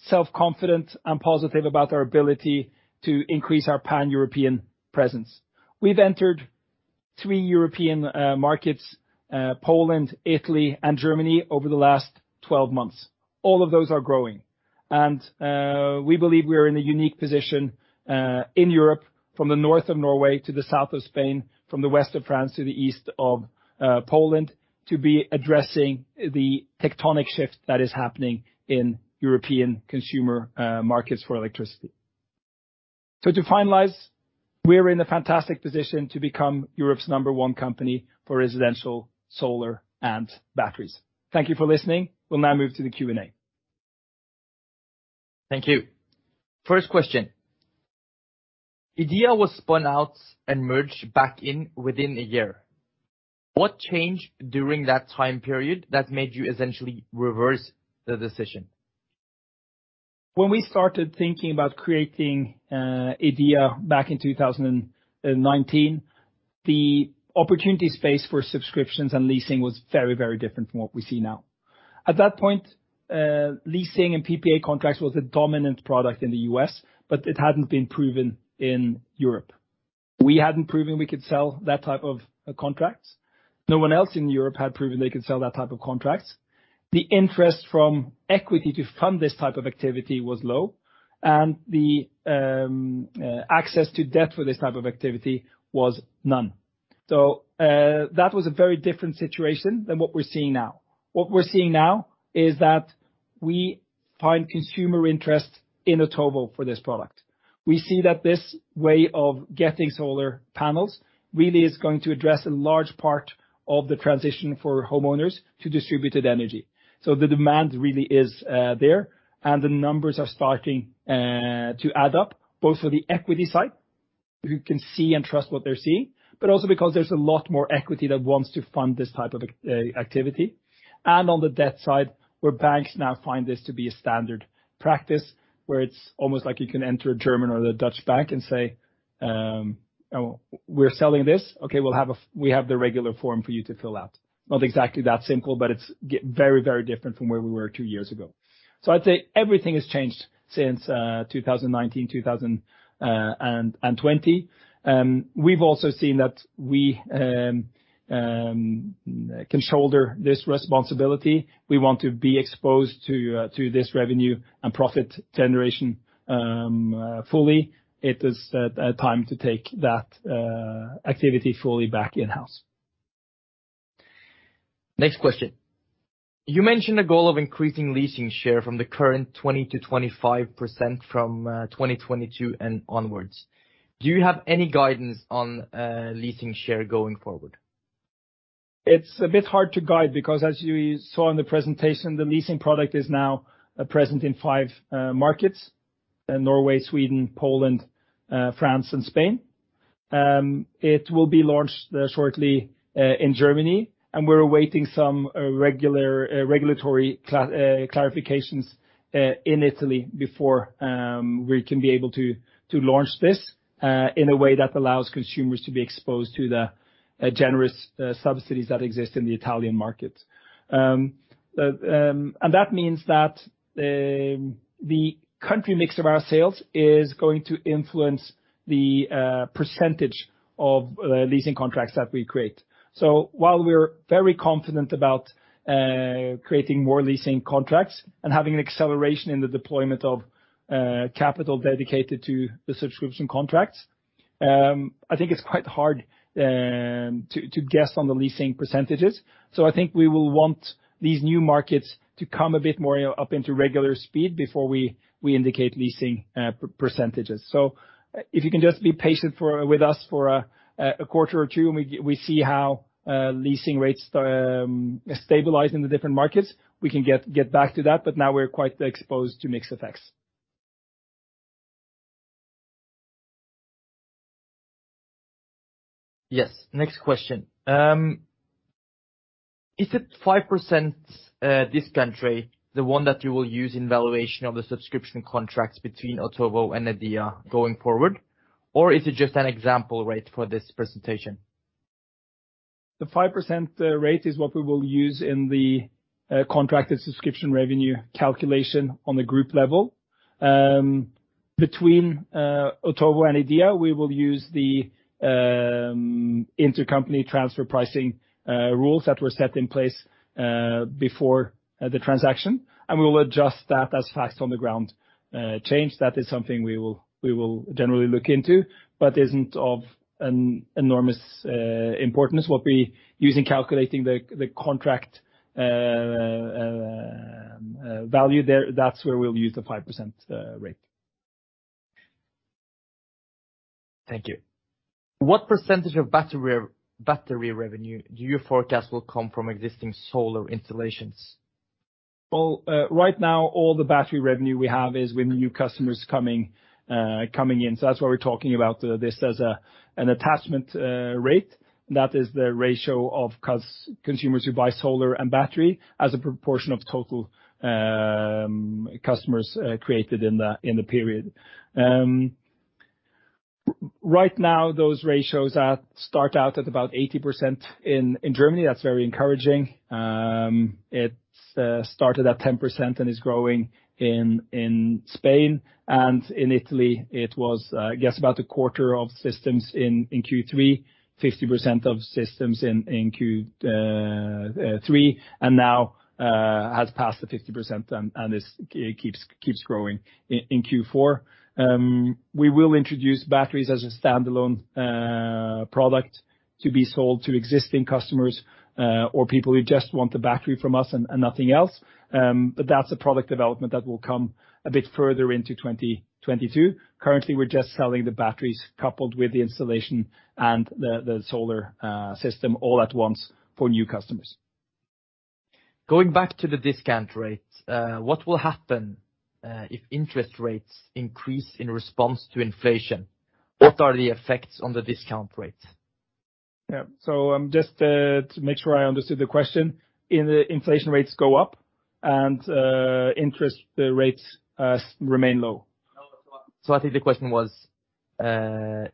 self-confident and positive about our ability to increase our pan-European presence. We've entered three European markets, Poland, Italy, and Germany, over the last 12 months. All of those are growing. We believe we are in a unique position in Europe, from the north of Norway to the south of Spain, from the west of France to the east of Poland, to be addressing the tectonic shift that is happening in European consumer markets for electricity. To finalize, we're in a fantastic position to become Europe's number one company for residential solar and batteries. Thank you for listening. We'll now move to the Q&A. Thank you. First question. IDEA was spun out and merged back in within a year. What changed during that time period that made you essentially reverse the decision? When we started thinking about creating IDEA back in 2019, the opportunity space for subscriptions and leasing was very, very different from what we see now. At that point, leasing and PPA contracts was a dominant product in the U.S., but it hadn't been proven in Europe. We hadn't proven we could sell that type of contracts. No one else in Europe had proven they could sell that type of contracts. The interest from equity to fund this type of activity was low. The access to debt for this type of activity was none. That was a very different situation than what we're seeing now. What we're seeing now is that we find consumer interest in Otovo for this product. We see that this way of getting solar panels really is going to address a large part of the transition for homeowners to distributed energy. The demand really is there. The numbers are starting to add up, both for the equity side, who can see and trust what they're seeing, but also because there's a lot more equity that wants to fund this type of activity. On the debt side, where banks now find this to be a standard practice, where it's almost like you can enter a German or a Dutch bank and say, we're selling this, OK, we have the regular form for you to fill out. Not exactly that simple, but it's very, very different from where we were two years ago. I'd say everything has changed since 2019, 2020. We've also seen that we can shoulder this responsibility. We want to be exposed to this revenue and profit generation fully. It is time to take that activity fully back in-house. Next question. You mentioned a goal of increasing leasing share from the current 20% to 25% from 2022 and onwards. Do you have any guidance on leasing share going forward? It's a bit hard to guide because, as you saw in the presentation, the leasing product is now present in five markets: Norway, Sweden, Poland, France, and Spain. It will be launched shortly in Germany. We're awaiting some regulatory clarifications in Italy before we can be able to launch this in a way that allows consumers to be exposed to the generous subsidies that exist in the Italian market. That means that the country mix of our sales is going to influence the percentage of leasing contracts that we create. While we're very confident about creating more leasing contracts and having an acceleration in the deployment of capital dedicated to the subscription contracts, I think it's quite hard to guess on the leasing percentages. I think we will want these new markets to come a bit more up into regular speed before we indicate leasing percentages. If you can just be patient with us for a quarter or two and we see how leasing rates stabilize in the different markets, we can get back to that. Now we're quite exposed to mixed effects. Yes. Next question. Is it 5% discount rate, the one that you will use in valuation of the subscription contracts between Otovo and IDEA going forward? Or is it just an example rate for this presentation? The 5% rate is what we will use in the contracted subscription revenue calculation on the group level. Between Otovo and IDEA, we will use the intercompany transfer pricing rules that were set in place before the transaction. We will adjust that as facts on the ground change. That is something we will generally look into but isn't of enormous importance. What we use in calculating the contract value, that's where we'll use the 5% rate. Thank you. What % of battery revenue do you forecast will come from existing solar installations? Right now, all the battery revenue we have is with new customers coming in. That's why we're talking about this as an attachment rate. That is the ratio of consumers who buy solar and battery as a proportion of total customers created in the period. Right now, those ratios start out at about 80% in Germany. That's very encouraging. It started at 10% and is growing in Spain. In Italy, it was, I guess, about a quarter of systems in Q3, 50% of systems in Q3, and now has passed the 50% and keeps growing in Q4. We will introduce batteries as a standalone product to be sold to existing customers or people who just want the battery from us and nothing else. That's a product development that will come a bit further into 2022. Currently, we're just selling the batteries coupled with the installation and the solar system all at once for new customers. Going back to the discount rate, what will happen if interest rates increase in response to inflation? What are the effects on the discount rate? Yeah. Just to make sure I understood the question, inflation rates go up and interest rates remain low. I think the question was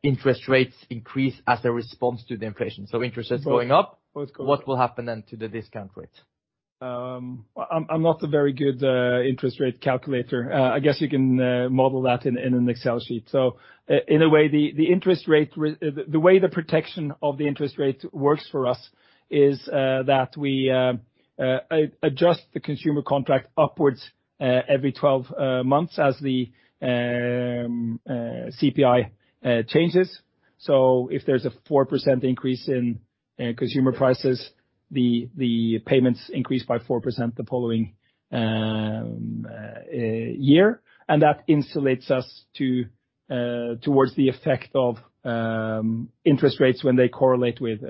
interest rates increase as a response to the inflation. Interest rates going up. What will happen then to the discount rate? I'm not a very good interest rate calculator. I guess you can model that in an Excel sheet. In a way, the interest rate, the way the protection of the interest rate works for us is that we adjust the consumer contract upwards every 12 months as the CPI changes. If there's a 4% increase in consumer prices, the payments increase by 4% the following year. That insulates us towards the effect of interest rates when they correlate with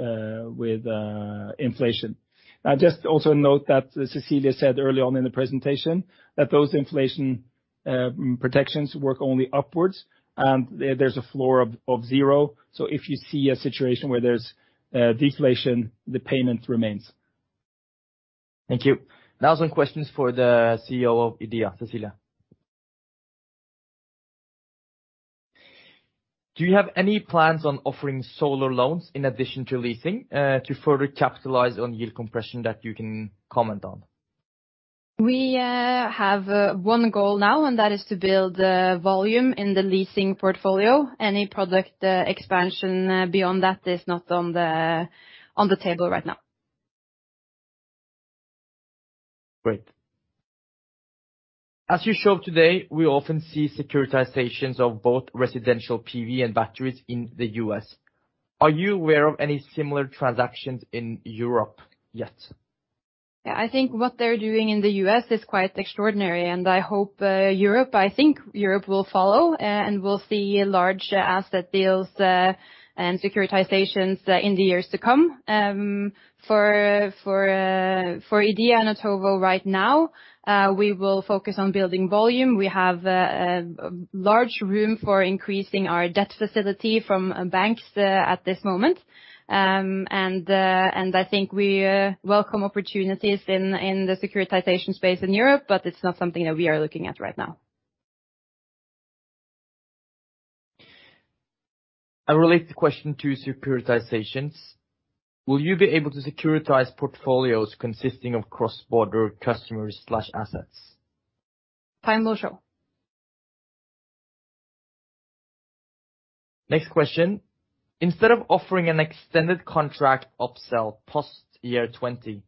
inflation. I just also note that Cecilie said early on in the presentation that those inflation protections work only upwards and there's a floor of zero. If you see a situation where there's deflation, the payment remains. Thank you. Now some questions for the CEO of IDEA, Cecilie. Do you have any plans on offering solar loans in addition to leasing to further capitalize on yield compression that you can comment on? We have one goal now, that is to build volume in the leasing portfolio. Any product expansion beyond that is not on the table right now. Great. As you showed today, we often see securitizations of both residential PV and batteries in the U.S. Are you aware of any similar transactions in Europe yet? Yeah. I think what they're doing in the U.S. is quite extraordinary. I hope Europe, I think Europe will follow and will see large asset deals and securitizations in the years to come. For IDEA and Otovo right now, we will focus on building volume. We have a large room for increasing our debt facility from banks at this moment. I think we welcome opportunities in the securitization space in Europe, it's not something that we are looking at right now. A related question to securitizations. Will you be able to securitize portfolios consisting of cross-border customers/assets? Time will show. Next question. Instead of offering an extended contract upsell post-year 20,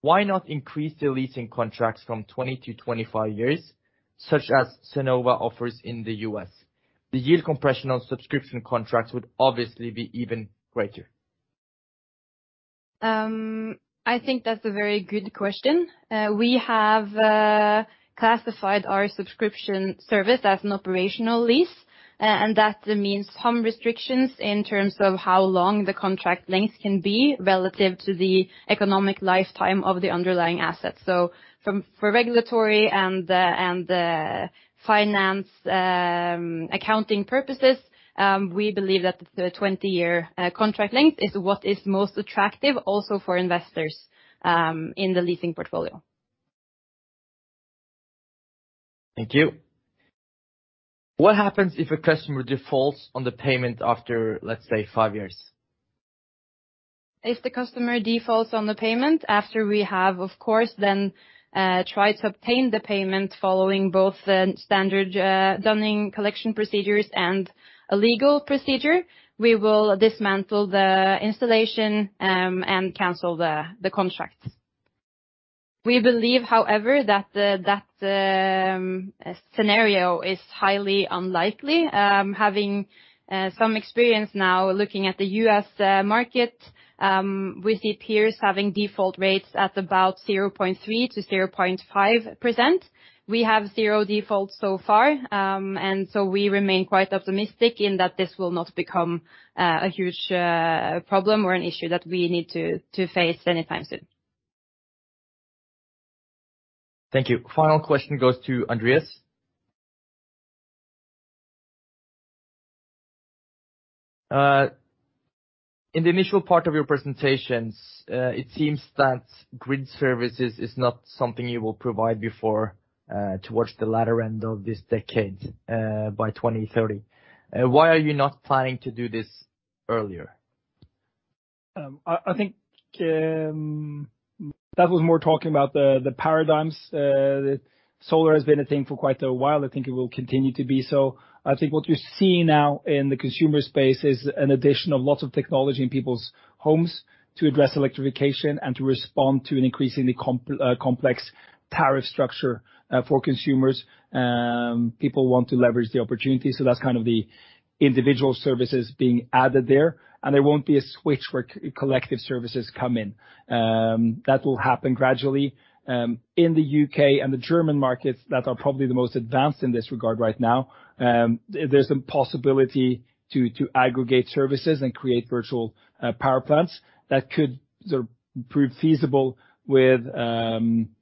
why not increase the leasing contracts from 20 to 25 years, such as Sunnova offers in the U.S.? The yield compression on subscription contracts would obviously be even greater. I think that's a very good question. We have classified our subscription service as an operational lease. That means some restrictions in terms of how long the contract length can be relative to the economic lifetime of the underlying asset. For regulatory and finance accounting purposes, we believe that the 20-year contract length is what is most attractive also for investors in the leasing portfolio. Thank you. What happens if a customer defaults on the payment after, let's say, five years? If the customer defaults on the payment after we have, of course, then try to obtain the payment following both standard dunning collection procedures and a legal procedure. We will dismantle the installation and cancel the contract. We believe, however, that that scenario is highly unlikely. Having some experience now looking at the U.S. market, we see peers having default rates at about 0.3% to 0.5%. We have zero defaults so far. So we remain quite optimistic in that this will not become a huge problem or an issue that we need to face anytime soon. Thank you. Final question goes to Andreas. In the initial part of your presentations, it seems that grid services is not something you will provide before towards the latter end of this decade by 2030. Why are you not planning to do this earlier? I think that was more talking about the paradigms. Solar has been a thing for quite a while. I think it will continue to be so. I think what you see now in the consumer space is an addition of lots of technology in people's homes to address electrification and to respond to an increasingly complex tariff structure for consumers. People want to leverage the opportunity. So that's kind of the individual services being added there. There won't be a switch where collective services come in. That will happen gradually. In the U.K. and the German markets that are probably the most advanced in this regard right now, there's a possibility to aggregate services and create virtual power plants. That could prove feasible with, let's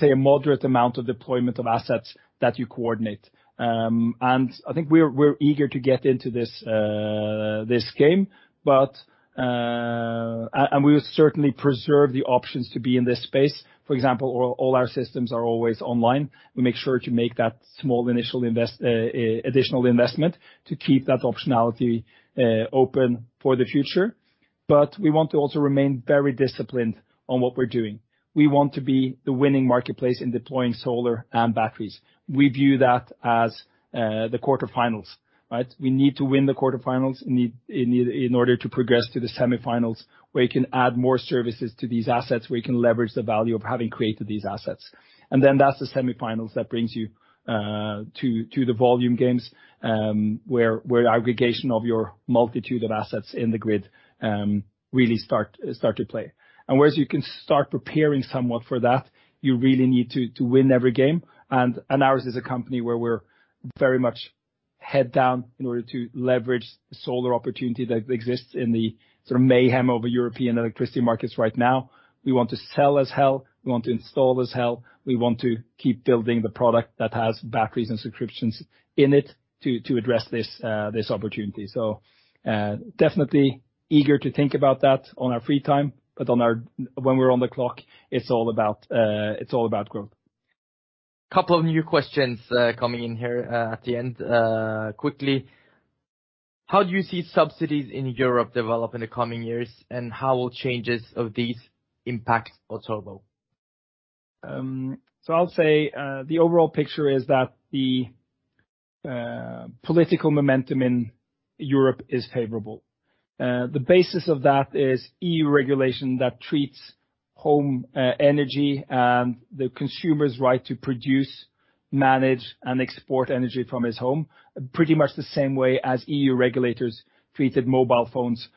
say, a moderate amount of deployment of assets that you coordinate. I think we're eager to get into this game. We will certainly preserve the options to be in this space. For example, all our systems are always online. We make sure to make that small initial additional investment to keep that optionality open for the future. We want to also remain very disciplined on what we're doing. We want to be the winning marketplace in deploying solar and batteries. We view that as the quarterfinals. We need to win the quarterfinals in order to progress to the semifinals where you can add more services to these assets, where you can leverage the value of having created these assets. That's the semifinals that brings you to the volume games where the aggregation of your multitude of assets in the grid really start to play. Whereas you can start preparing somewhat for that, you really need to win every game. Ours is a company where we're very much head down in order to leverage solar opportunity that exists in the sort of mayhem of European electricity markets right now. We want to sell as hell. We want to install as hell. We want to keep building the product that has batteries and subscriptions in it to address this opportunity. Definitely eager to think about that on our free time. When we're on the clock, it's all about growth. A couple of new questions coming in here at the end quickly. How do you see subsidies in Europe develop in the coming years? How will changes of these impact Otovo? I'll say the overall picture is that the political momentum in Europe is favorable. The basis of that is EU regulation that treats home energy and the consumer's right to produce, manage, and export energy from his home pretty much the same way as EU regulators treated mobile phones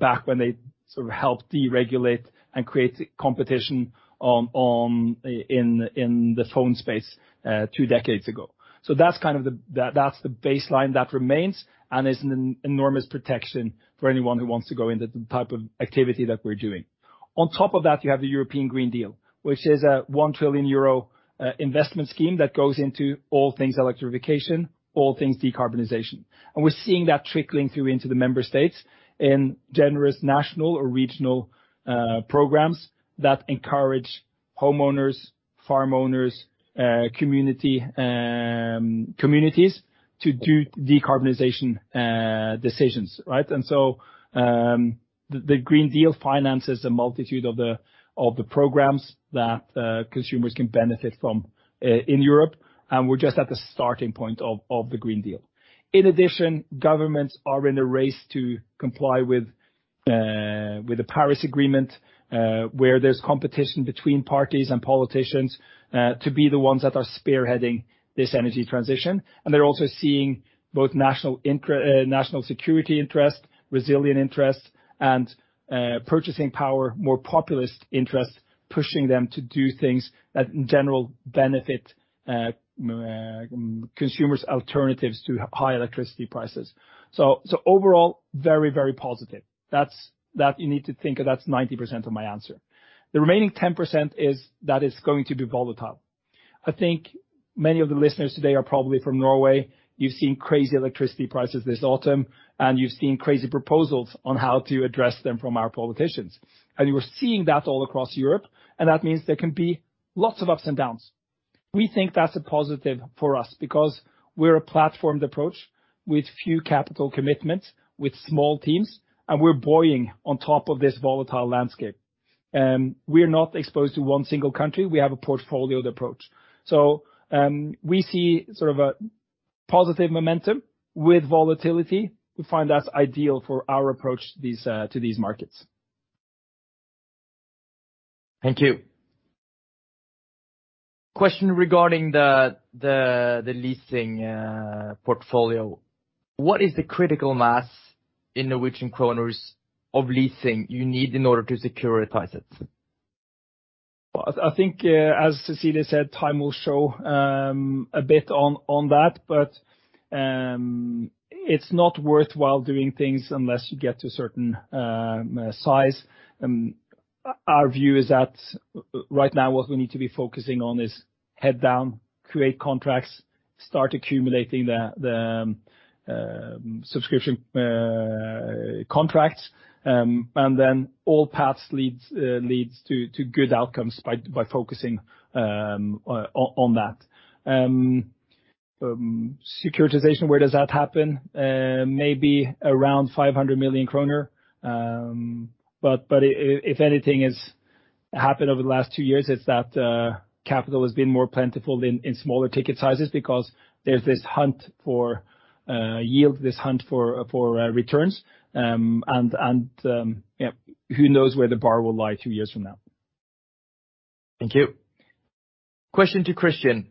back when they sort of helped deregulate and create competition in the phone space two decades ago. That's kind of the baseline that remains and is an enormous protection for anyone who wants to go into the type of activity that we're doing. On top of that, you have the European Green Deal, which is a 1 trillion euro investment scheme that goes into all things electrification, all things decarbonization. We're seeing that trickling through into the member states in generous national or regional programs that encourage homeowners, farm owners, communities to do decarbonization decisions. The Green Deal finances a multitude of the programs that consumers can benefit from in Europe. We're just at the starting point of the Green Deal. In addition, governments are in a race to comply with the Paris Agreement, where there's competition between parties and politicians to be the ones that are spearheading this energy transition. They're also seeing both national security interests, resilient interests, and purchasing power more populist interests pushing them to do things that in general benefit consumers' alternatives to high electricity prices. Overall, very, very positive. That you need to think of, that's 90% of my answer. The remaining 10% is that it's going to be volatile. I think many of the listeners today are probably from Norway. You've seen crazy electricity prices this autumn. You've seen crazy proposals on how to address them from our politicians. You're seeing that all across Europe. That means there can be lots of ups and downs. We think that's a positive for us because we're a platformed approach with few capital commitments, with small teams, and we're buoying on top of this volatile landscape. We're not exposed to one single country. We have a portfolioed approach. We see sort of a positive momentum with volatility. We find that's ideal for our approach to these markets. Thank you. Question regarding the leasing portfolio. What is the critical mass in Norwegian kroner of leasing you need in order to securitize it? I think, as Cecilie said, time will show a bit on that. It's not worthwhile doing things unless you get to a certain size. Our view is that right now what we need to be focusing on is head down, create contracts, start accumulating the subscription contracts. Then all paths leads to good outcomes by focusing on that. Securitization, where does that happen? Maybe around 500 million kroner. If anything has happened over the last two years, it's that capital has been more plentiful in smaller ticket sizes because there's this hunt for yield, this hunt for returns. Who knows where the bar will lie two years from now? Thank you. Question to Christian.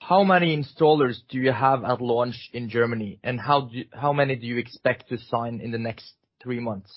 How many installers do you have at launch in Germany? How many do you expect to sign in the next three months?